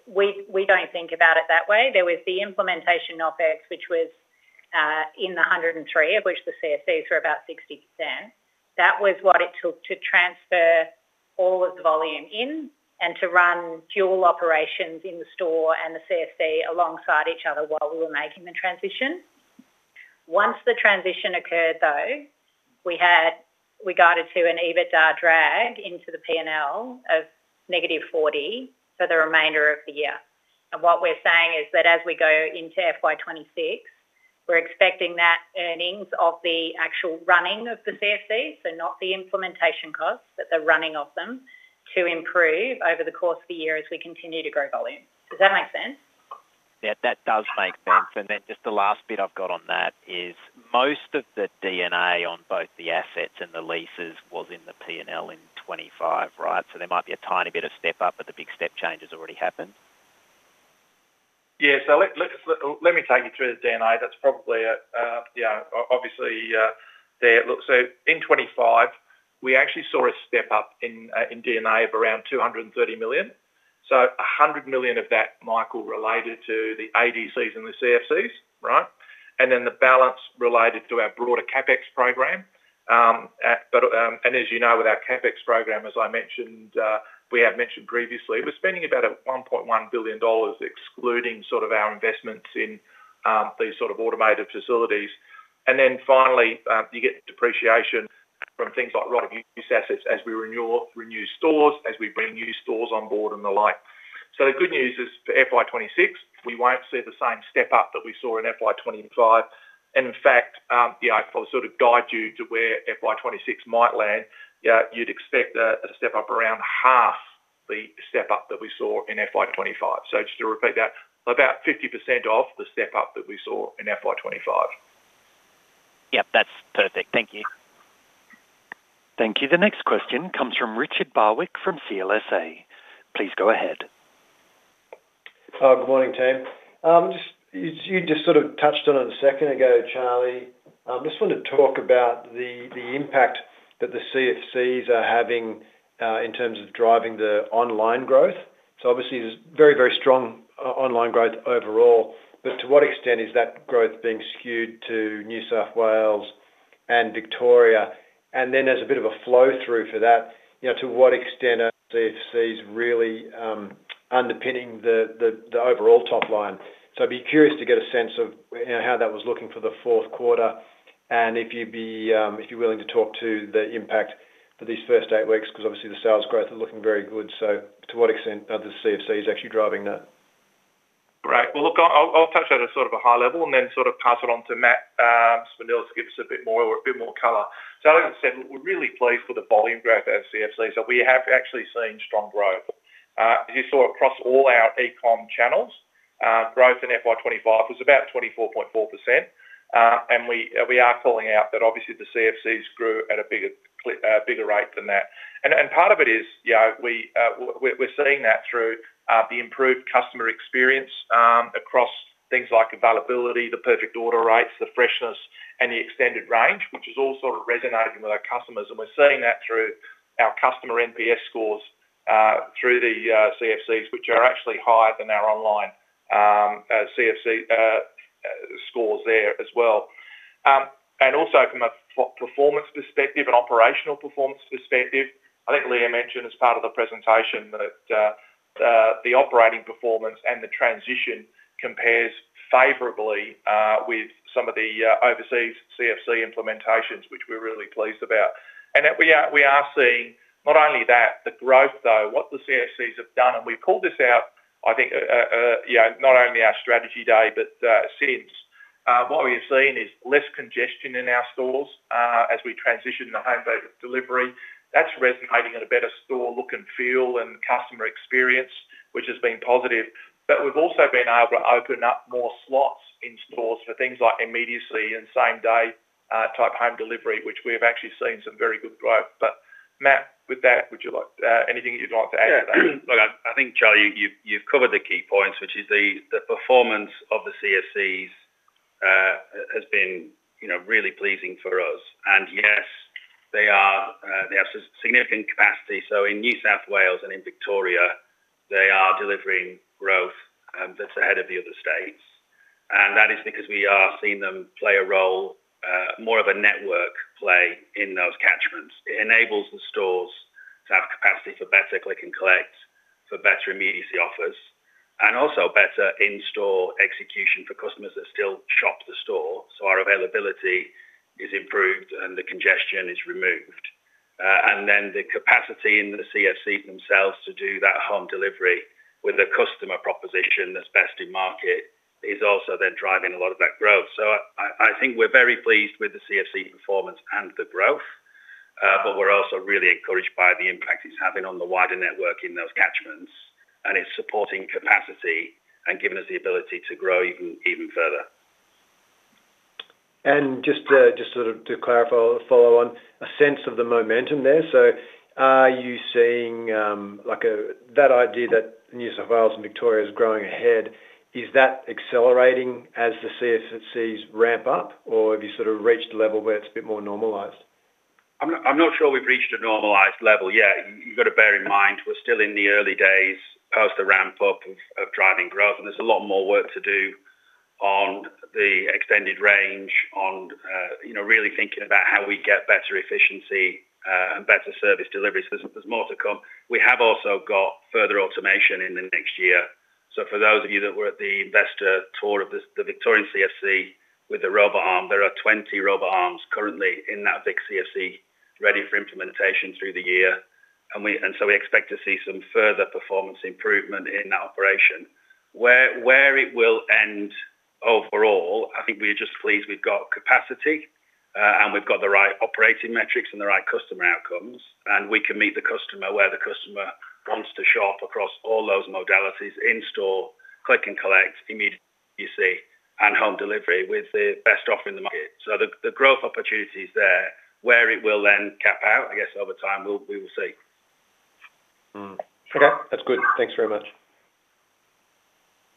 We don't think about it that way. There was the implementation OpEx, which was in the $103 million, of which the CFCs were about 60%. That was what it took to transfer all of the volume in and to run dual operations in the store and the CFC alongside each other while we were making the transition. Once the transition occurred, we had guided to an EBITDA drag into the P&L of -$40 million for the remainder of the year. What we're saying is that as we go into FY 2026, we're expecting that earnings of the actual running of the CFC, so not the implementation costs, but the running of them, to improve over the course of the year as we continue to grow volume. Does that make sense? Yeah, that does make sense. Just the last bit I've got on that is most of the DNA on both the assets and the leases was in the P&L in 2025, right? There might be a tiny bit of step up, but the big step change has already happened. Let me take you through the DNA. That's probably it. Obviously, there. In 2025, we actually saw a step up in DNA of around $230 million. $100 million of that, Michael, related to the ADCs and the CFCs, right? The balance related to our broader CapEx program. As you know, with our CapEx program, as I mentioned, we have mentioned previously, we're spending about $1.1 billion, excluding our investments in these automated facilities. Finally, you get depreciation from things like a lot of use assets as we renew stores, as we bring new stores on board and the like. The good news is for FY 2026, we won't see the same step up that we saw in FY 2025. In fact, I'll guide you to where FY 2026 might land. You'd expect a step up around half the step up that we saw in FY 2025. Just to repeat that, about 50% of the step up that we saw in FY 2025. Yeah, that's perfect. Thank you. Thank you. The next question comes from Richard Barwick from CLSA. Please go ahead. Good morning, team. You just sort of touched on it a second ago, Charlie. I just want to talk about the impact that the CFCs are having in terms of driving the online growth. Obviously, there's very, very strong online growth overall, but to what extent is that growth being skewed to New South Wales and Victoria? There's a bit of a flow through for that. To what extent are CFCs really underpinning the overall top line? I'd be curious to get a sense of how that was looking for the fourth quarter and if you'd be willing to talk to the impact for these first eight weeks because obviously the sales growth is looking very good. To what extent are the CFCs actually driving that? Right. I'll touch on it at sort of a high level and then pass it on to Matt, so he'll give us a bit more color. As I said, we're really pleased with the volume growth of CFCs. We have actually seen strong growth. As you saw across all our e-com channels, growth in FY 2025 was about 24.4%. We are calling out that obviously the CFCs grew at a bigger rate than that. Part of it is, you know, we're seeing that through the improved customer experience across things like availability, the perfect order rates, the freshness, and the extended range, which is all resonating with our customers. We're seeing that through our customer NPS scores through the CFCs, which are actually higher than our online CFC scores there as well. Also, from a performance perspective, an operational performance perspective, I think Leah mentioned as part of the presentation that the operating performance and the transition compares favorably with some of the overseas CFC implementations, which we're really pleased about. We are seeing not only that, the growth though, what the CFCs have done, and we've pulled this out, I think, you know, not only our strategy day, but since, what we've seen is less congestion in our stores as we transition to home-based delivery. That's resonating in a better store look and feel and customer experience, which has been positive. We've also been able to open up more slots in stores for things like immediacy and same-day type home delivery, which we've actually seen some very good growth. Matt, with that, is there anything you'd like to add to that? I think, Charlie, you've covered the key points, which is the performance of the CFCs has been really pleasing for us. Yes, they have significant capacity. In New South Wales and in Victoria, they are delivering growth that's ahead of the other states. That is because we are seeing them play a role, more of a network play in those catchments. It enables the stores to have capacity for better click and collect, for better immediacy offers, and also better in-store execution for customers that still shop the store. Our availability is improved and the congestion is removed. The capacity in the CFC themselves to do that home delivery with the customer proposition that's best in market is also then driving a lot of that growth. I think we're very pleased with the CFC performance and the growth, but we're also really encouraged by the impact it's having on the wider network in those catchments. It's supporting capacity and giving us the ability to grow even further. Just to clarify or follow on, a sense of the momentum there. Are you seeing that idea that New South Wales and Victoria is growing ahead, is that accelerating as the CFCs ramp up, or have you reached a level where it's a bit more normalized? I'm not sure we've reached a normalized level yet. You've got to bear in mind we're still in the early days post the ramp-up of driving growth, and there's a lot more work to do on the extended range, on really thinking about how we get better efficiency and better service delivery. There's more to come. We have also got further automation in the next year. For those of you that were at the investor tour of the Victorian CFC with the robot arm, there are 20 robot arms currently in that big CFC ready for implementation through the year. We expect to see some further performance improvement in that operation. Where it will end overall, I think we're just pleased we've got capacity and we've got the right operating metrics and the right customer outcomes, and we can meet the customer where the customer wants to shop across all those modalities: in-store, click and collect, immediacy, and home delivery with the best offer in the market. The growth opportunities are there; where it will then cap out, I guess over time we will see. Okay, that's good. Thanks very much.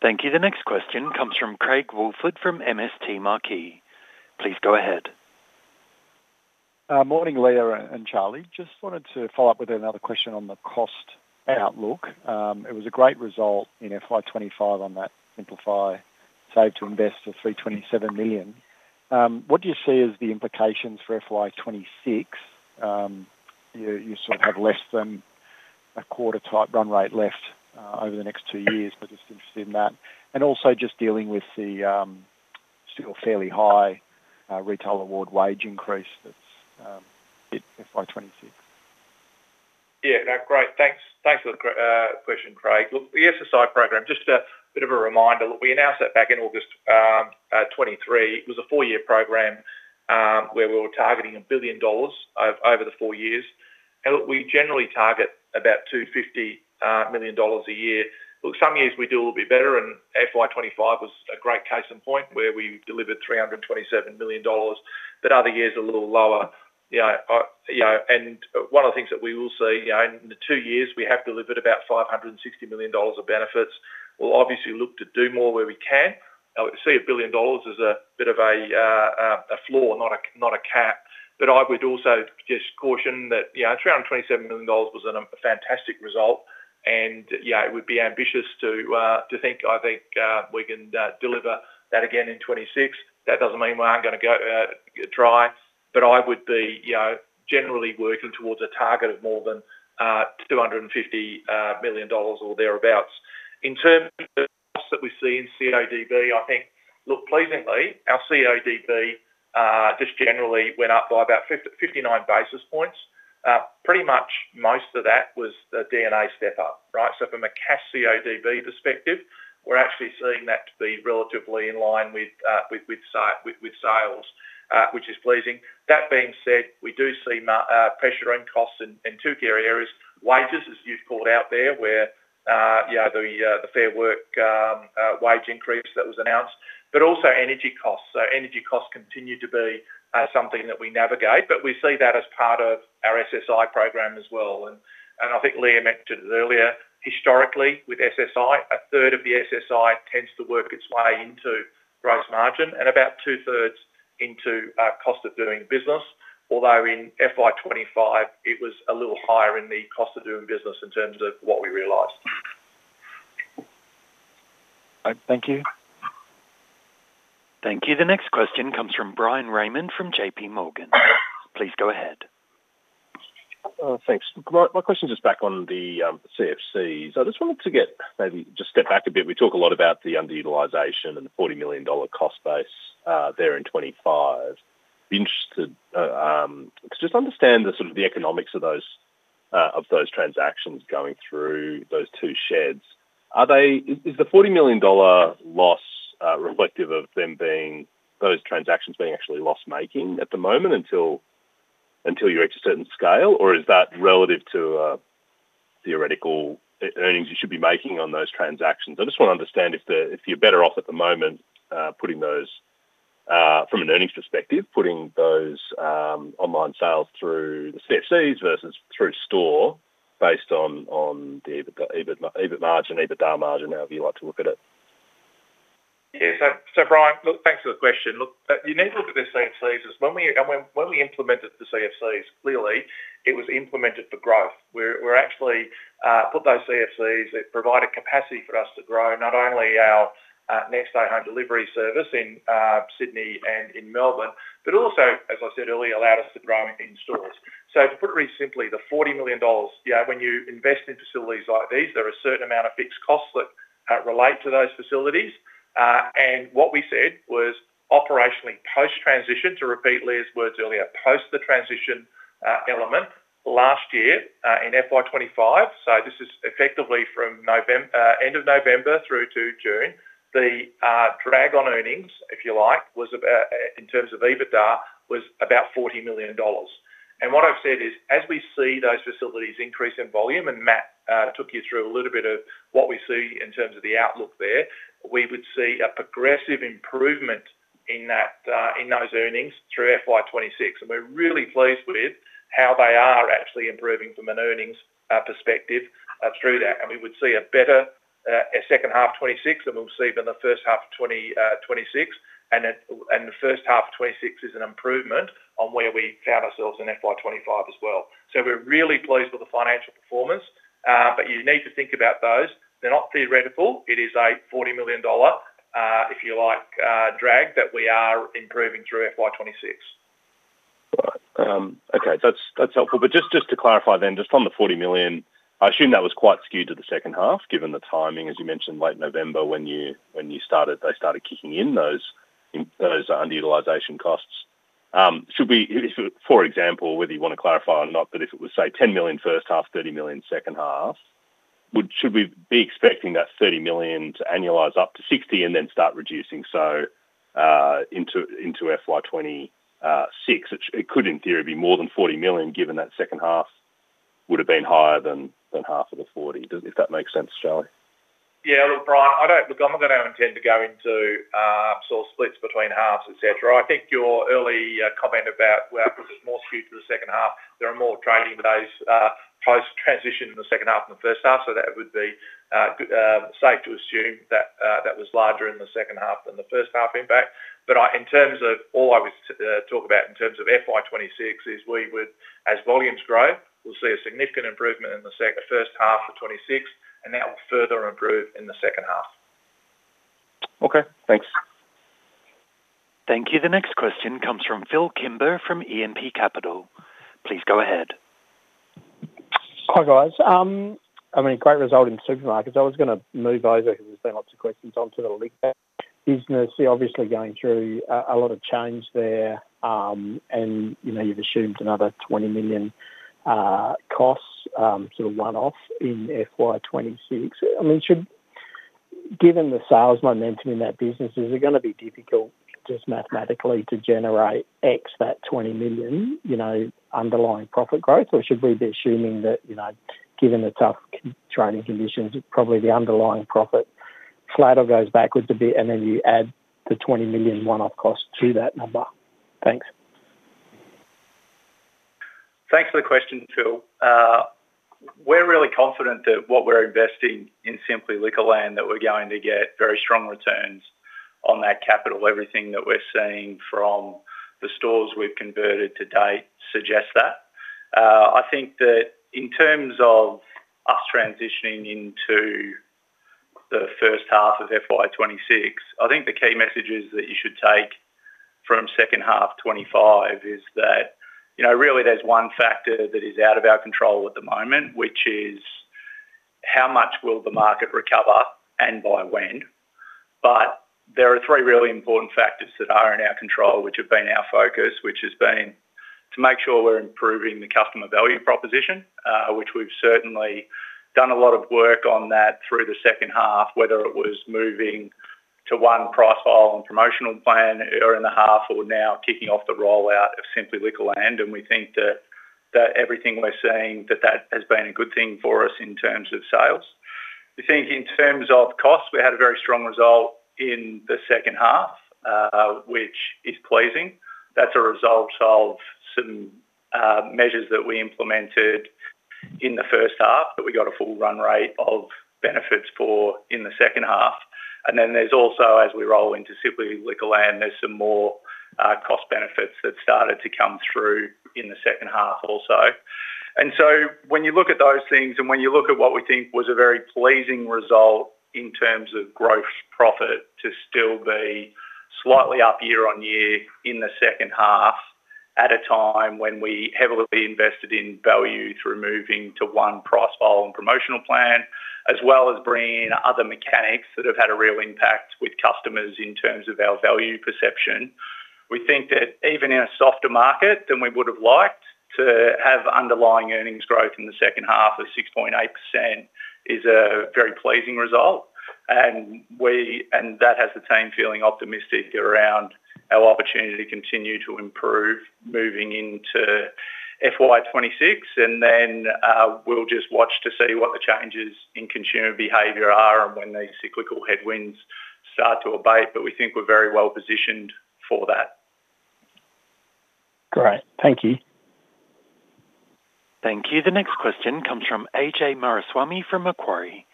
Thank you. The next question comes from Craig Woolford from MST Marquee. Please go ahead. Morning, Leah and Charlie. Just wanted to follow up with another question on the cost outlook. It was a great result in FY 2025 on that Simplify and Save to Invest program of $327 million. What do you see as the implications for FY 2026? You sort of have less than a quarter type run rate left over the next two years. We're just interested in that. Also, just dealing with the still fairly high retail award wage increase that's at FY 2026. Yeah, great. Thanks. Thanks for the question, Craig. Look, the SSI program, just a bit of a reminder, we announced that back in August 2023. It was a four-year program where we were targeting $1 billion over the four years. We generally target about $250 million a year. Some years we do a little bit better, and FY 2025 was a great case in point where we delivered $327 million, but other years a little lower. One of the things that we will see in the two years, we have delivered about $560 million of benefits. We'll obviously look to do more where we can. We see $1 billion as a bit of a floor, not a cap. I would also just caution that $327 million was a fantastic result, and it would be ambitious to think we can deliver that again in 2026. That doesn't mean we aren't going to try, but I would be generally working towards a target of more than $250 million or thereabouts. In terms of what we see in CODB, pleasingly, our CODB just generally went up by about 59 basis points. Pretty much most of that was a DNA step up, right? From a cash CODB perspective, we're actually seeing that to be relatively in line with sales, which is pleasing. That being said, we do see pressure in costs in two key areas: wages, as you've called out there, where the Fair Work wage increase that was announced, but also energy costs. Energy costs continue to be something that we navigate, but we see that as part of our SSI program as well. I think Leah mentioned it earlier, historically with SSI, a third of the SSI tends to work its way into gross margin and about two-thirds into cost of doing business, although in FY 2025, it was a little higher in the cost of doing business in terms of what we realized. Thank you. Thank you. The next question comes from Bryan Raymond from JPMorgan. Please go ahead. Thanks. My question is just back on the CFCs. I just wanted to get maybe just step back a bit. We talk a lot about the underutilisation and the $40 million cost base there in 2025. I'm interested to just understand the sort of the economics of those transactions going through those two sheds. Is the $40 million loss reflective of them being those transactions being actually loss-making at the moment until you reach a certain scale, or is that relative to theoretical earnings you should be making on those transactions? I just want to understand if you're better off at the moment putting those, from an earnings perspective, putting those online sales through the CFCs versus through store based on the EBIT margin, EBITDA margin, however you like to look at it. Yeah. So Bryan, look, thanks for the question. You need to look at the CFCs as when we implemented the CFCs, clearly, it was implemented for growth. We actually put those CFCs that provided capacity for us to grow not only our next-day home delivery service in Sydney and in Melbourne, but also, as I said earlier, allowed us to grow in stores. To put it really simply, the $40 million, yeah, when you invest in facilities like these, there are a certain amount of fixed costs that relate to those facilities. What we said was operationally post-transition, to repeat Leah's words earlier, post the transition element last year in FY 2025. This is effectively from end of November through to June. The drag on earnings, if you like, was about in terms of EBITDA, was about $40 million. What I've said is, as we see those facilities increase in volume, and Matt took you through a little bit of what we see in terms of the outlook there, we would see a progressive improvement in those earnings through FY 2026. We're really pleased with how they are actually improving from an earnings perspective through that. We would see a better second half of 2026, and we'll see even the first half of 2026. The first half of 2026 is an improvement on where we found ourselves in FY 2025 as well. We're really pleased with the financial performance, but you need to think about those. They're not theoretical. It is a $40 million, if you like, drag that we are improving through FY2026. Okay, that's helpful. Just to clarify then, just on the $40 million, I assume that was quite skewed to the second half, given the timing, as you mentioned, late November when you started, they started kicking in those under utilisation costs. Should we, for example, whether you want to clarify or not, but if it was, say, $10 million first half, $30 million second half, should we be expecting that $30 million to annualize up to $60 million and then start reducing? Into FY 2026, it could in theory be more than $40 million, given that second half would have been higher than half of the $40 million, if that makes sense, Charlie. Yeah, look, Bryan, I don't, look, I'm not going to intend to go into source splits between halves, et cetera. I think your early comment about where because it's more skewed to the second half, there are more trading with those post-transition in the second half than the first half. That would be safe to assume that that was larger in the second half than the first half impact. In terms of all I was talking about in terms of FY 2026, we would, as volumes grow, we'll see a significant improvement in the first half of 2026, and that will further improve in the second half. Okay, thanks. Thank you. The next question comes from Phil Kimber from E&P Capital. Please go ahead. Hi guys. Great result in Supermarkets. I was going to move over because there's been lots of questions on sort of the link there. Business, you're obviously going through a lot of change there, and you've assumed another $20 million costs sort of run-off in FY 2026. Should, given the sales momentum in that business, is it going to be difficult just mathematically to generate X that $20 million, you know, underlying profit growth? Or should we be assuming that, given the tough trading conditions, probably the underlying profit slider goes backwards a bit, and then you add the $20 million run-off cost to that number? Thanks. Thanks for the question, Phil. We're really confident that what we're investing in Simply Liquorland, that we're going to get very strong returns on that capital. Everything that we're seeing from the stores we've converted to date suggests that. I think that in terms of us transitioning into the first half of FY 2026, the key messages that you should take from the second half of 2025 is that, you know, really, there's one factor that is out of our control at the moment, which is how much will the market recover and by when. There are three really important factors that are in our control, which have been our focus, which has been to make sure we're improving the customer value proposition, which we've certainly done a lot of work on that through the second half, whether it was moving to one profile and promotional plan earlier in the half or now kicking off the rollout of Simply Liquorland. We think that everything we're seeing, that that has been a good thing for us in terms of sales. We think in terms of cost, we had a very strong result in the second half, which is pleasing. That's a result of some measures that we implemented in the first half that we got a full run rate of benefits for in the second half. As we roll into Simply Liquorland, there's some more cost benefits that started to come through in the second half also. When you look at those things and when you look at what we think was a very pleasing result in terms of gross profit to still be slightly up year on year in the second half at a time when we heavily invested in value through moving to one profile and promotional plan, as well as bringing in other mechanics that have had a real impact with customers in terms of our value perception. We think that even in a softer market than we would have liked to have, underlying earnings growth in the second half of 6.8% is a very pleasing result. That has the team feeling optimistic around our opportunity to continue to improve moving into FY 2026. We'll just watch to see what the changes in consumer behavior are and when these cyclical headwinds start to abate. We think we're very well positioned for that. Great, thank you. Thank you. The next question comes from Ajay Mariswamy from Macquarie.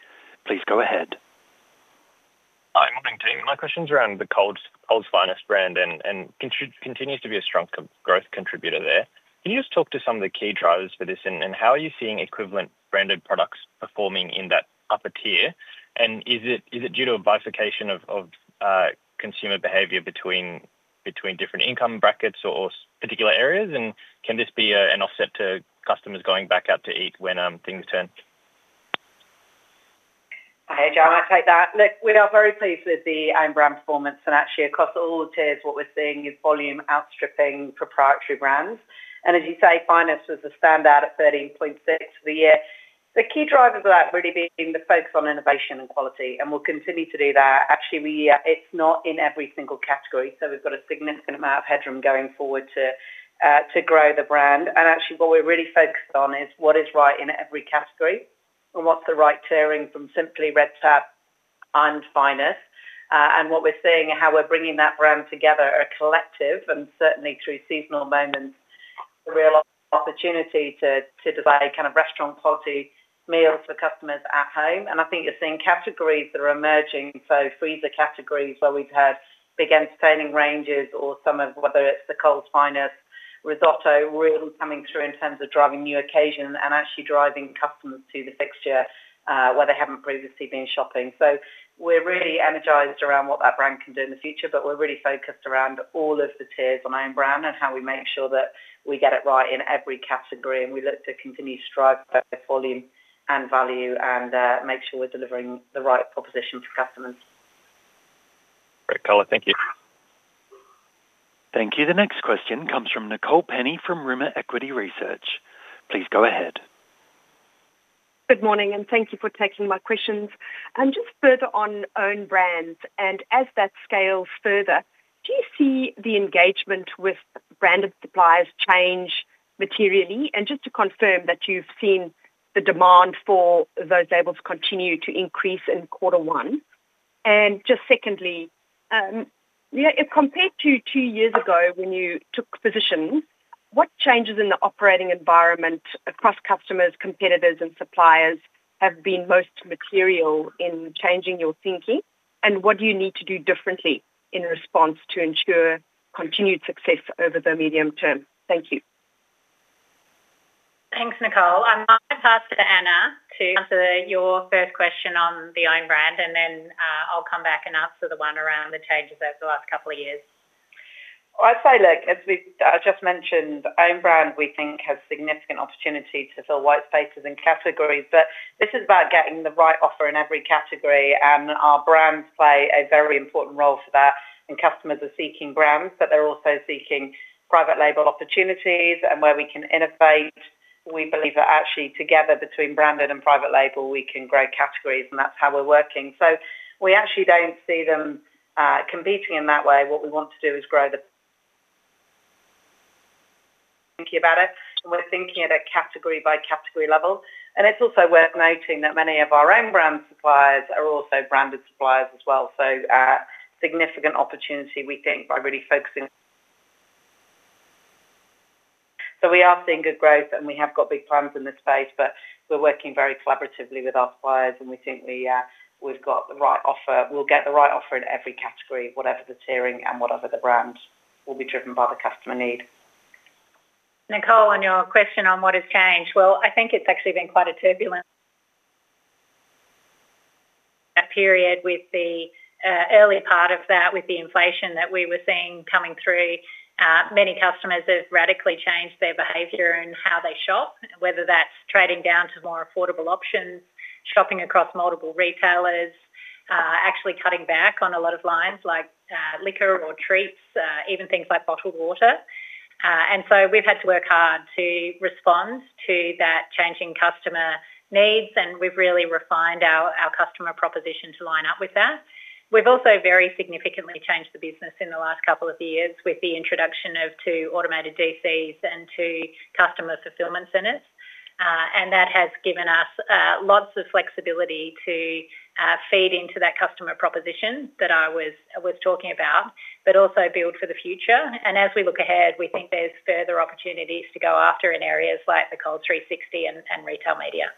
Please go ahead. Hi, morning team. My question's around the Coles Finest brand and continues to be a strong growth contributor there. Can you just talk to some of the key drivers for this and how are you seeing equivalent branded products performing in that upper tier? Is it due to a bifurcation of consumer behaviour between different income brackets or particular areas? Can this be an offset to customers going back out to eat when things turn? Hi Ajay, I'm okay with that. Look, we are very pleased with the own brand performance. Actually, across all the tiers, what we're seeing is volume outstripping proprietary brands. As you say, Finest was a standout at 13.6% for the year. The key drivers of that have really been the focus on innovation and quality, and we'll continue to do that. Actually, it's not in every single category. We've got a significant amount of headroom going forward to grow the brand. What we're really focused on is what is right in every category and what's the right tiering from Simply, Red Tap, and Finest. What we're seeing and how we're bringing that brand together are collective and certainly through seasonal moments, a real opportunity to provide kind of restaurant quality meals for customers at home. I think you're seeing categories that are emerging, freezer categories where we've had big entertaining ranges or some of whether it's the Coles Finest risotto really coming through in terms of driving new occasion and actually driving customers to the fixture where they haven't previously been shopping. We're really energised around what that brand can do in the future, but we're really focused around all of the tiers on our own brand and how we make sure that we get it right in every category. We look to continue to strive for both volume and value and make sure we're delivering the right proposition to customers. Great color, thank you. Thank you. The next question comes from Nicole Penny from Rimor Equity Research. Please go ahead. Good morning, and thank you for taking my questions. Just further on own brands, as that scales further, do you see the engagement with branded suppliers change materially? Just to confirm that you've seen the demand for those labels continue to increase in quarter one. Secondly, if compared to two years ago when you took positions, what changes in the operating environment across customers, competitors, and suppliers have been most material in changing your thinking? What do you need to do differently in response to ensure continued success over the medium term? Thank you. Thanks, Nicole. I might pass it to Anna to answer your third question on the own brand, and then I'll come back and answer the one around the changes over the last couple of years. I'd say, look, as we just mentioned, own brand we think has significant opportunity to fill white spaces in categories. This is about getting the right offer in every category, and our brands play a very important role for that. Customers are seeking brands, but they're also seeking private label opportunities and where we can innovate. We believe that actually together between branded and private label, we can grow categories, and that's how we're working. We actually don't see them competing in that way. What we want to do is grow the category. We're thinking about it, and we're thinking at a category-by-category level. It's also worth noting that many of our own brand suppliers are also branded suppliers as well. Significant opportunity, we think, by really focusing. We are seeing good growth, and we have got big plans in this space, but we're working very collaboratively with our suppliers, and we think we've got the right offer. We'll get the right offer in every category, whatever the tiering and whatever the brand. We'll be driven by the customer need. Nicole, on your question on what has changed, I think it's actually been quite a turbulent period, with the earlier part of that, with the inflation that we were seeing coming through. Many customers have radically changed their behavior in how they shop, and whether that's trading down to more affordable options, shopping across multiple retailers, actually cutting back on a lot of lines like liquor or treats, even things like bottled water. We've had to work hard to respond to that changing customer needs, and we've really refined our customer proposition to line up with that. We've also very significantly changed the business in the last couple of years with the introduction of two Automated DCs and two Customer Fulfillment Centers, and that has given us lots of flexibility to feed into that customer proposition that I was talking about, but also build for the future. As we look ahead, we think there's further opportunities to go after in areas like the Coles 360 and retail media.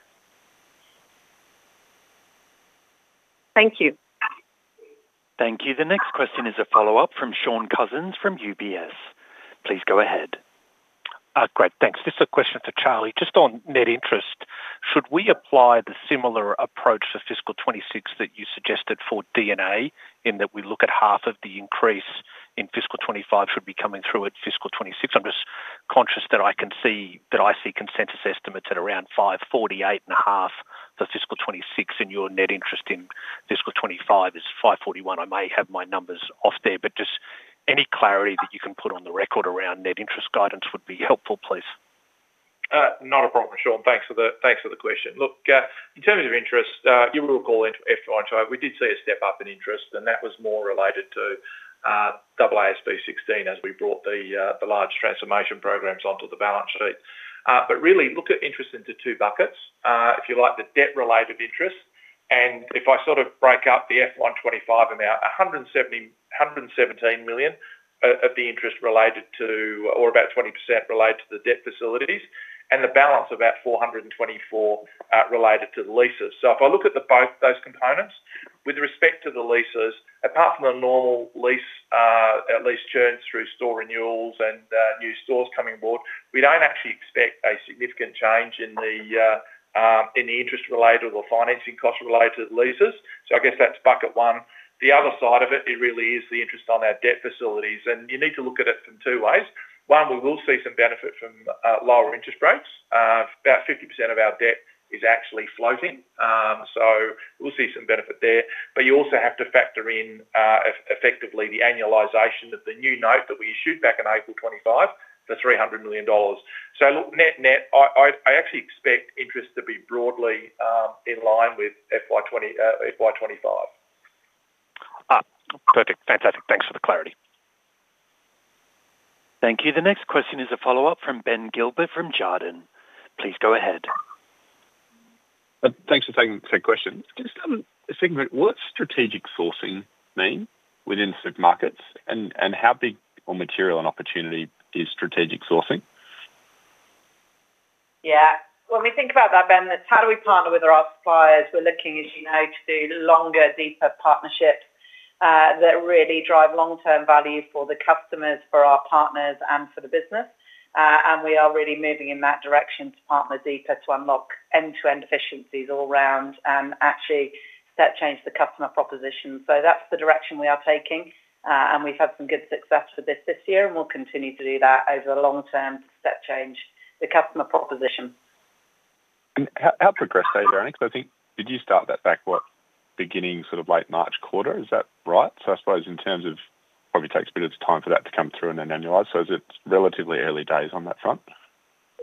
Thank you. Thank you. The next question is a follow-up from Shaun Cousins from UBS. Please go ahead. Great, thanks. Just a question for Charlie, just on net interest. Should we apply the similar approach to fiscal 2026 that you suggested for DNA in that we look at half of the increase in fiscal 2025 should be coming through at fiscal 2026? I'm just conscious that I can see that I see consensus estimates at around $5.98 for fiscal 2026, and your net interest in fiscal 2025 is $5.41. I may have my numbers off there, but just any clarity that you can put on the record around net interest guidance would be helpful, please. Not a problem, Shaun. Thanks for the question. Look, in terms of interest, you will recall after I tried, we did see a step up in interest, and that was more related to AASB 16 as we brought the large transformation programs onto the balance sheet. Really, look at interest into two buckets. If you like, the debt-related interest, and if I sort of break out the $125 million amount, $117 million of the interest related to, or about 20% related to the debt facilities, and the balance of about $424 million related to the leases. If I look at both those components, with respect to the leases, apart from the normal lease churns through store renewals and new stores coming on board, we don't actually expect a significant change in the interest related or the financing cost related to the leases. I guess that's bucket one. The other side of it, it really is the interest on our debt facilities, and you need to look at it from two ways. One, we will see some benefit from lower interest rates. About 50% of our debt is actually floating, so we'll see some benefit there. You also have to factor in effectively the annualization of the new note that we issued back on April 25 for $300 million. Net-net, I actually expect interest to be broadly in line with FY 2025. Perfect. Fantastic. Thanks for the clarity. Thank you. The next question is a follow-up from Ben Gilbert from Jarden. Please go ahead. Thanks for taking the questions. What's strategic sourcing mean within Supermarkets and how big or material an opportunity is strategic sourcing? Yeah. When we think about that, Ben, it's how do we partner with our suppliers? We're looking, as you know, to do longer, deeper partnerships that really drive long-term value for the customers, for our partners, and for the business. We are really moving in that direction to partner deeper to unlock end-to-end efficiencies all round and actually set change to the customer proposition. That's the direction we are taking, and we've had some good success with this this year, and we'll continue to do that over the long term to set change to the customer proposition. How progressed are you there? Did you start that back at the beginning, sort of late March quarter? Is that right? I suppose in terms of probably takes a bit of time for that to come through and then annualize. Is it relatively early days on that front?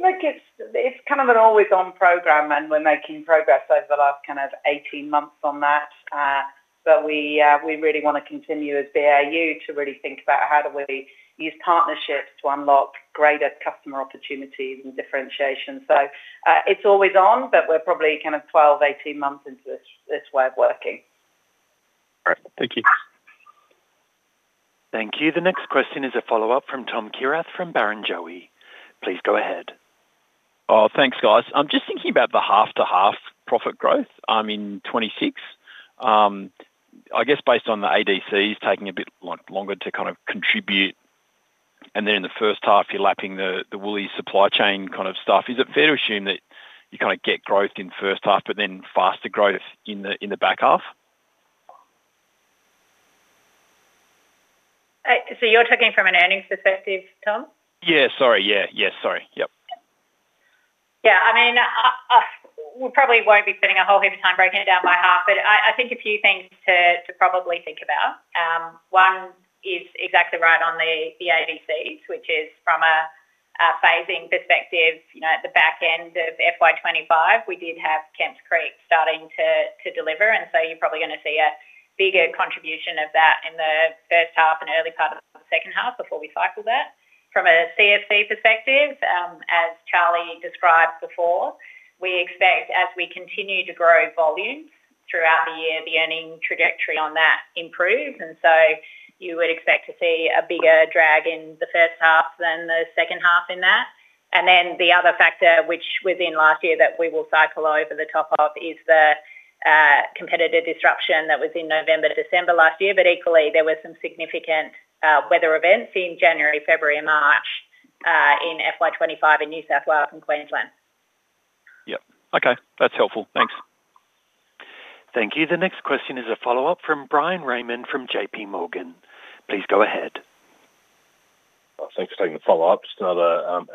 I guess it's kind of an always-on program, and we're making progress over the last 18 months on that. We really want to continue as BAU to really think about how do we use partnerships to unlock greater customer opportunity and differentiation. It's always on, and we're probably 12, 18 months into this way of working. All right. Thank you. Thank you. The next question is a follow-up from Tom Kierath from Barrenjoey. Please go ahead. Thanks, guys. I'm just thinking about the half-to-half profit growth. I mean, 2026, I guess based on the ADCs taking a bit longer to kind of contribute, and then in the first half, you're lapping the Woolworths supply chain kind of stuff. Is it fair to assume that you kind of get growth in the first half, but then faster growth in the back half? You're talking from an earnings perspective, Tom? Sorry. Yeah, sorry. Yeah. Yeah. We probably won't be spending a whole heap of time breaking it down by half, but I think a few things to probably think about. One is exactly right on the ADCs, which is from a phasing perspective. At the back end of FY 2025, we did have Kemps Creek starting to deliver, and you're probably going to see a bigger contribution of that in the first half and early part of the second half before we cycle that. From a CFC perspective, as Charlie described before, we expect as we continue to grow volumes throughout the year, the earning trajectory on that improves. You would expect to see a bigger drag in the first half than the second half in that. The other factor, which was in last year that we will cycle over the top of, is the competitor disruption that was in November, December last year. Equally, there were some significant weather events in January, February, and March in FY 2025 in New South Wales and Queensland. Yeah, okay. That's helpful. Thanks. Thank you. The next question is a follow-up from Bryan Raymond from JPMorgan. Please go ahead. Thanks for taking the follow-up. Just another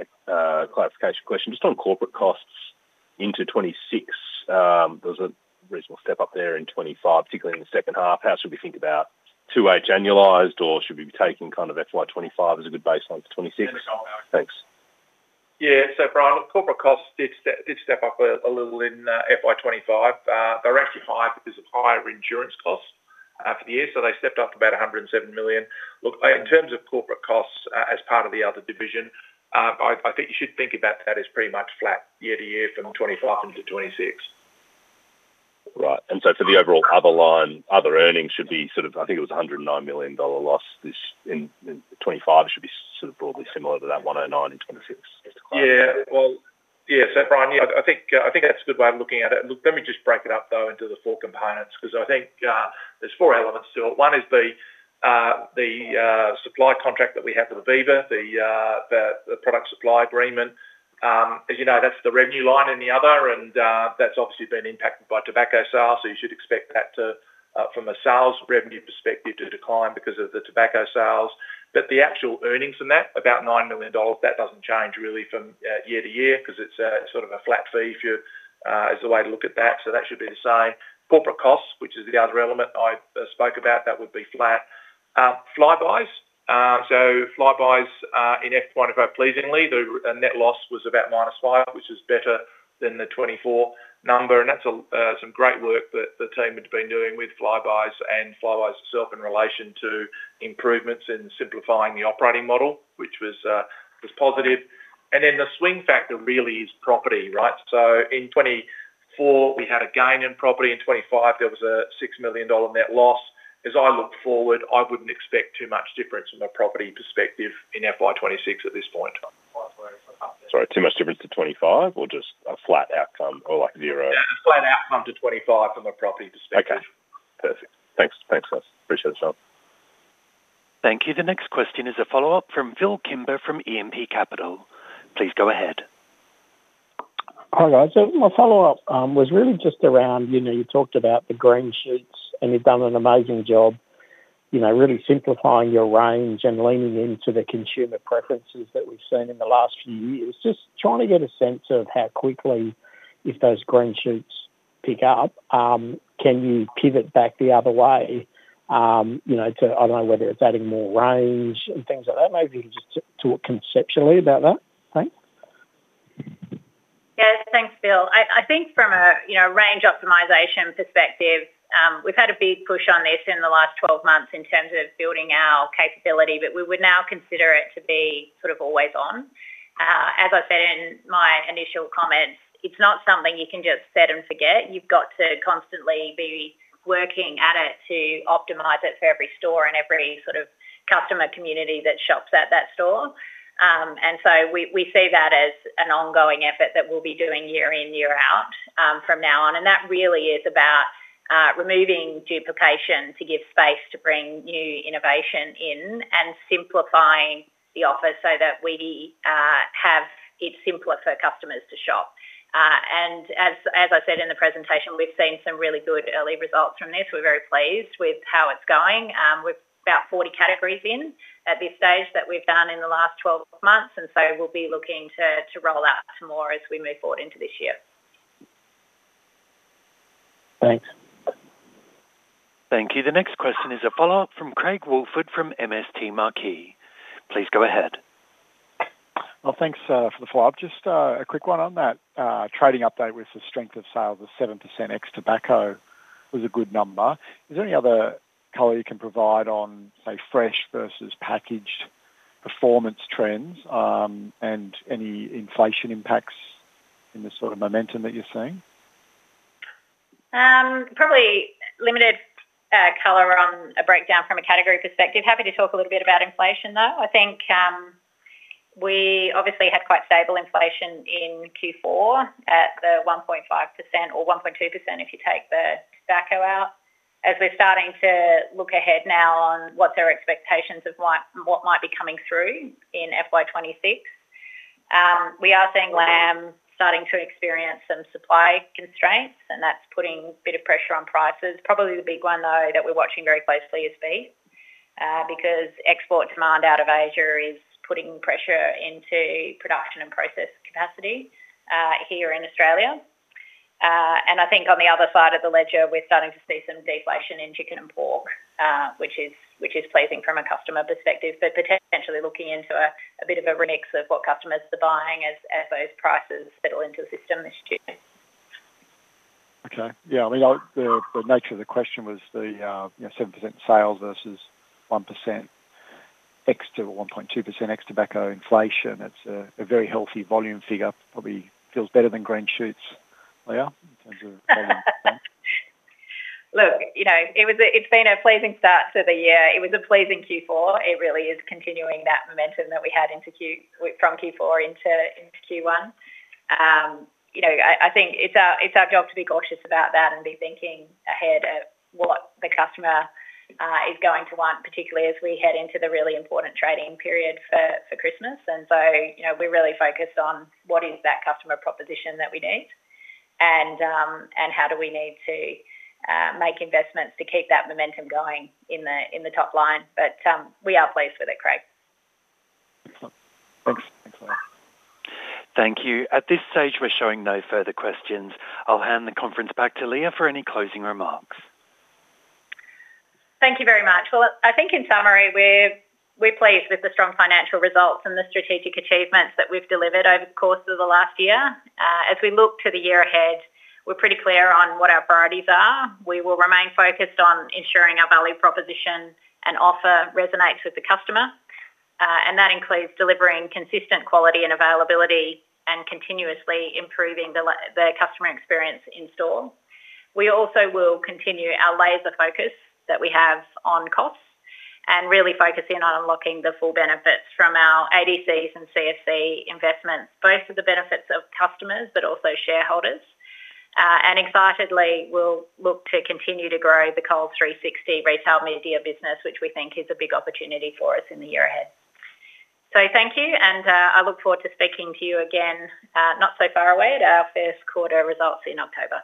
clarification question. Just on corporate costs into 2026, there was a reasonable step up there in 2025, particularly in the second half. How should we think about two-way generalized, or should we be taking kind of FY 2025 as a good baseline for 2026? Thanks. Yeah. For our corporate costs, they did step up a little in FY 2025. They're actually higher because of higher insurance costs for the year. They stepped up to about $107 million. In terms of corporate costs as part of the other division, I think you should think about that as pretty much flat year-to-year from 2025 into 2026. Right. For the overall other line, other earnings should be sort of, I think it was a $109 million loss this in 2025. It should be sort of broadly similar to that $109 million into 2026. Yeah. Brian, I think that's a good way of looking at it. Look, let me just break it up into the four components because I think there's four elements to it. One is the supply contract that we have with Aviva, the product supply agreement. As you know, that's the revenue line in the other, and that's obviously been impacted by tobacco sales. You should expect that, from a sales revenue perspective, to decline because of the tobacco sales. The actual earnings from that, about $9 million, that doesn't change really from year-to-year because it's sort of a flat fee if you're as a way to look at that. That should be the same. Corporate costs, which is the other element I spoke about, that would be flat. Flybuys. Flybuys in FY 2025, pleasingly, the net loss was about -$5 million, which is better than the FY 2024 number. That's some great work that the team had been doing with Flybuys and Flybuys itself in relation to improvements in simplifying the operating model, which was positive. The swing factor really is property, right? In 2024, we had a gain in property. In 2025, there was a $6 million net loss. As I look forward, I wouldn't expect too much difference from a property perspective in FY 2026 at this point. Sorry, too much difference to 2025 or just a flat outcome or like zero? Yeah, a flat outcome to 2025 from a property perspective. Okay. Perfect. Thanks. Thanks, guys. Appreciate it, Charlie. Thank you. The next question is a follow-up from Phil Kimber from E&P Capital. Please go ahead. Hi, guys. My follow-up was really just around, you talked about the green shoots, and you've done an amazing job really simplifying your range and leaning into the consumer preferences that we've seen in the last few years. Just trying to get a sense of how quickly, if those green shoots pick up, can you pivot back the other way? I don't know whether it's adding more range and things like that. Maybe you can just talk conceptually about that, I think. Yes, thanks, Phil. I think from a, you know, range optimization perspective, we've had a big push on this in the last 12 months in terms of building our capability, but we would now consider it to be sort of always on. As I said in my initial comments, it's not something you can just set and forget. You've got to constantly be working at it to optimize it for every store and every sort of customer community that shops at that store. We see that as an ongoing effort that we'll be doing year in, year out, from now on. That really is about removing duplication to give space to bring new innovation in and simplifying the offer so that we have it simpler for customers to shop. As I said in the presentation, we've seen some really good early results from this. We're very pleased with how it's going. We're about 40 categories in at this stage that we've done in the last 12 months, and we'll be looking to roll out some more as we move forward into this year. Thanks. Thank you. The next question is a follow-up from Craig Woolford from MST Marquee. Please go ahead. Thanks for the follow-up. Just a quick one on that. Trading update was the strength of sale of the 7% ex-tobacco was a good number. Is there any other color you can provide on, say, fresh versus packaged performance trends, and any inflation impacts in the sort of momentum that you're seeing? Probably limited color on a breakdown from a category perspective. Happy to talk a little bit about inflation, though. I think we obviously have quite stable inflation in Q4 at 1.5% or 1.2% if you take the tobacco out. As we're starting to look ahead now on what the expectations of what might be coming through in FY 2026, we are seeing lamb starting to experience some supply constraints, and that's putting a bit of pressure on prices. Probably the big one, though, that we're watching very closely is beef, because export demand out of Asia is putting pressure into production and process capacity here in Australia. I think on the other side of the ledger, we're starting to see some deflation in chicken and pork, which is pleasing from a customer perspective, but potentially looking into a bit of a remix of what customers are buying as those prices settle into the system this year. Okay. The nature of the question was the, you know, 7% sales versus 1% to 1.2% ex-tobacco inflation. That's a very healthy volume figure. Probably feels better than green shoots. Leah, in terms of. Look, it's been a pleasing start to the year. It was a pleasing Q4. It really is continuing that momentum that we had from Q4 into Q1. I think it's our job to be cautious about that and be thinking ahead of what the customer is going to want, particularly as we head into the really important trading period for Christmas. We're really focused on what is that customer proposition that we need and how do we need to make investments to keep that momentum going in the top line. We are pleased with it, Craig. Excellent. Thanks, Leah. Thank you. At this stage, we're showing no further questions. I'll hand the conference back to Leah for any closing remarks. Thank you very much. I think in summary, we're pleased with the strong financial results and the strategic achievements that we've delivered over the course of the last year. As we look to the year ahead, we're pretty clear on what our priorities are. We will remain focused on ensuring our value proposition and offer resonates with the customer. That includes delivering consistent quality and availability and continuously improving the customer experience in store. We also will continue our laser focus that we have on costs and really focus in on unlocking the full benefits from our ADCs and CFC investments, both for the benefits of customers but also shareholders. Excitedly, we'll look to continue to grow the Coles 360 retail media business, which we think is a big opportunity for us in the year ahead. Thank you, and I look forward to speaking to you again, not so far away, at our first quarter results in October.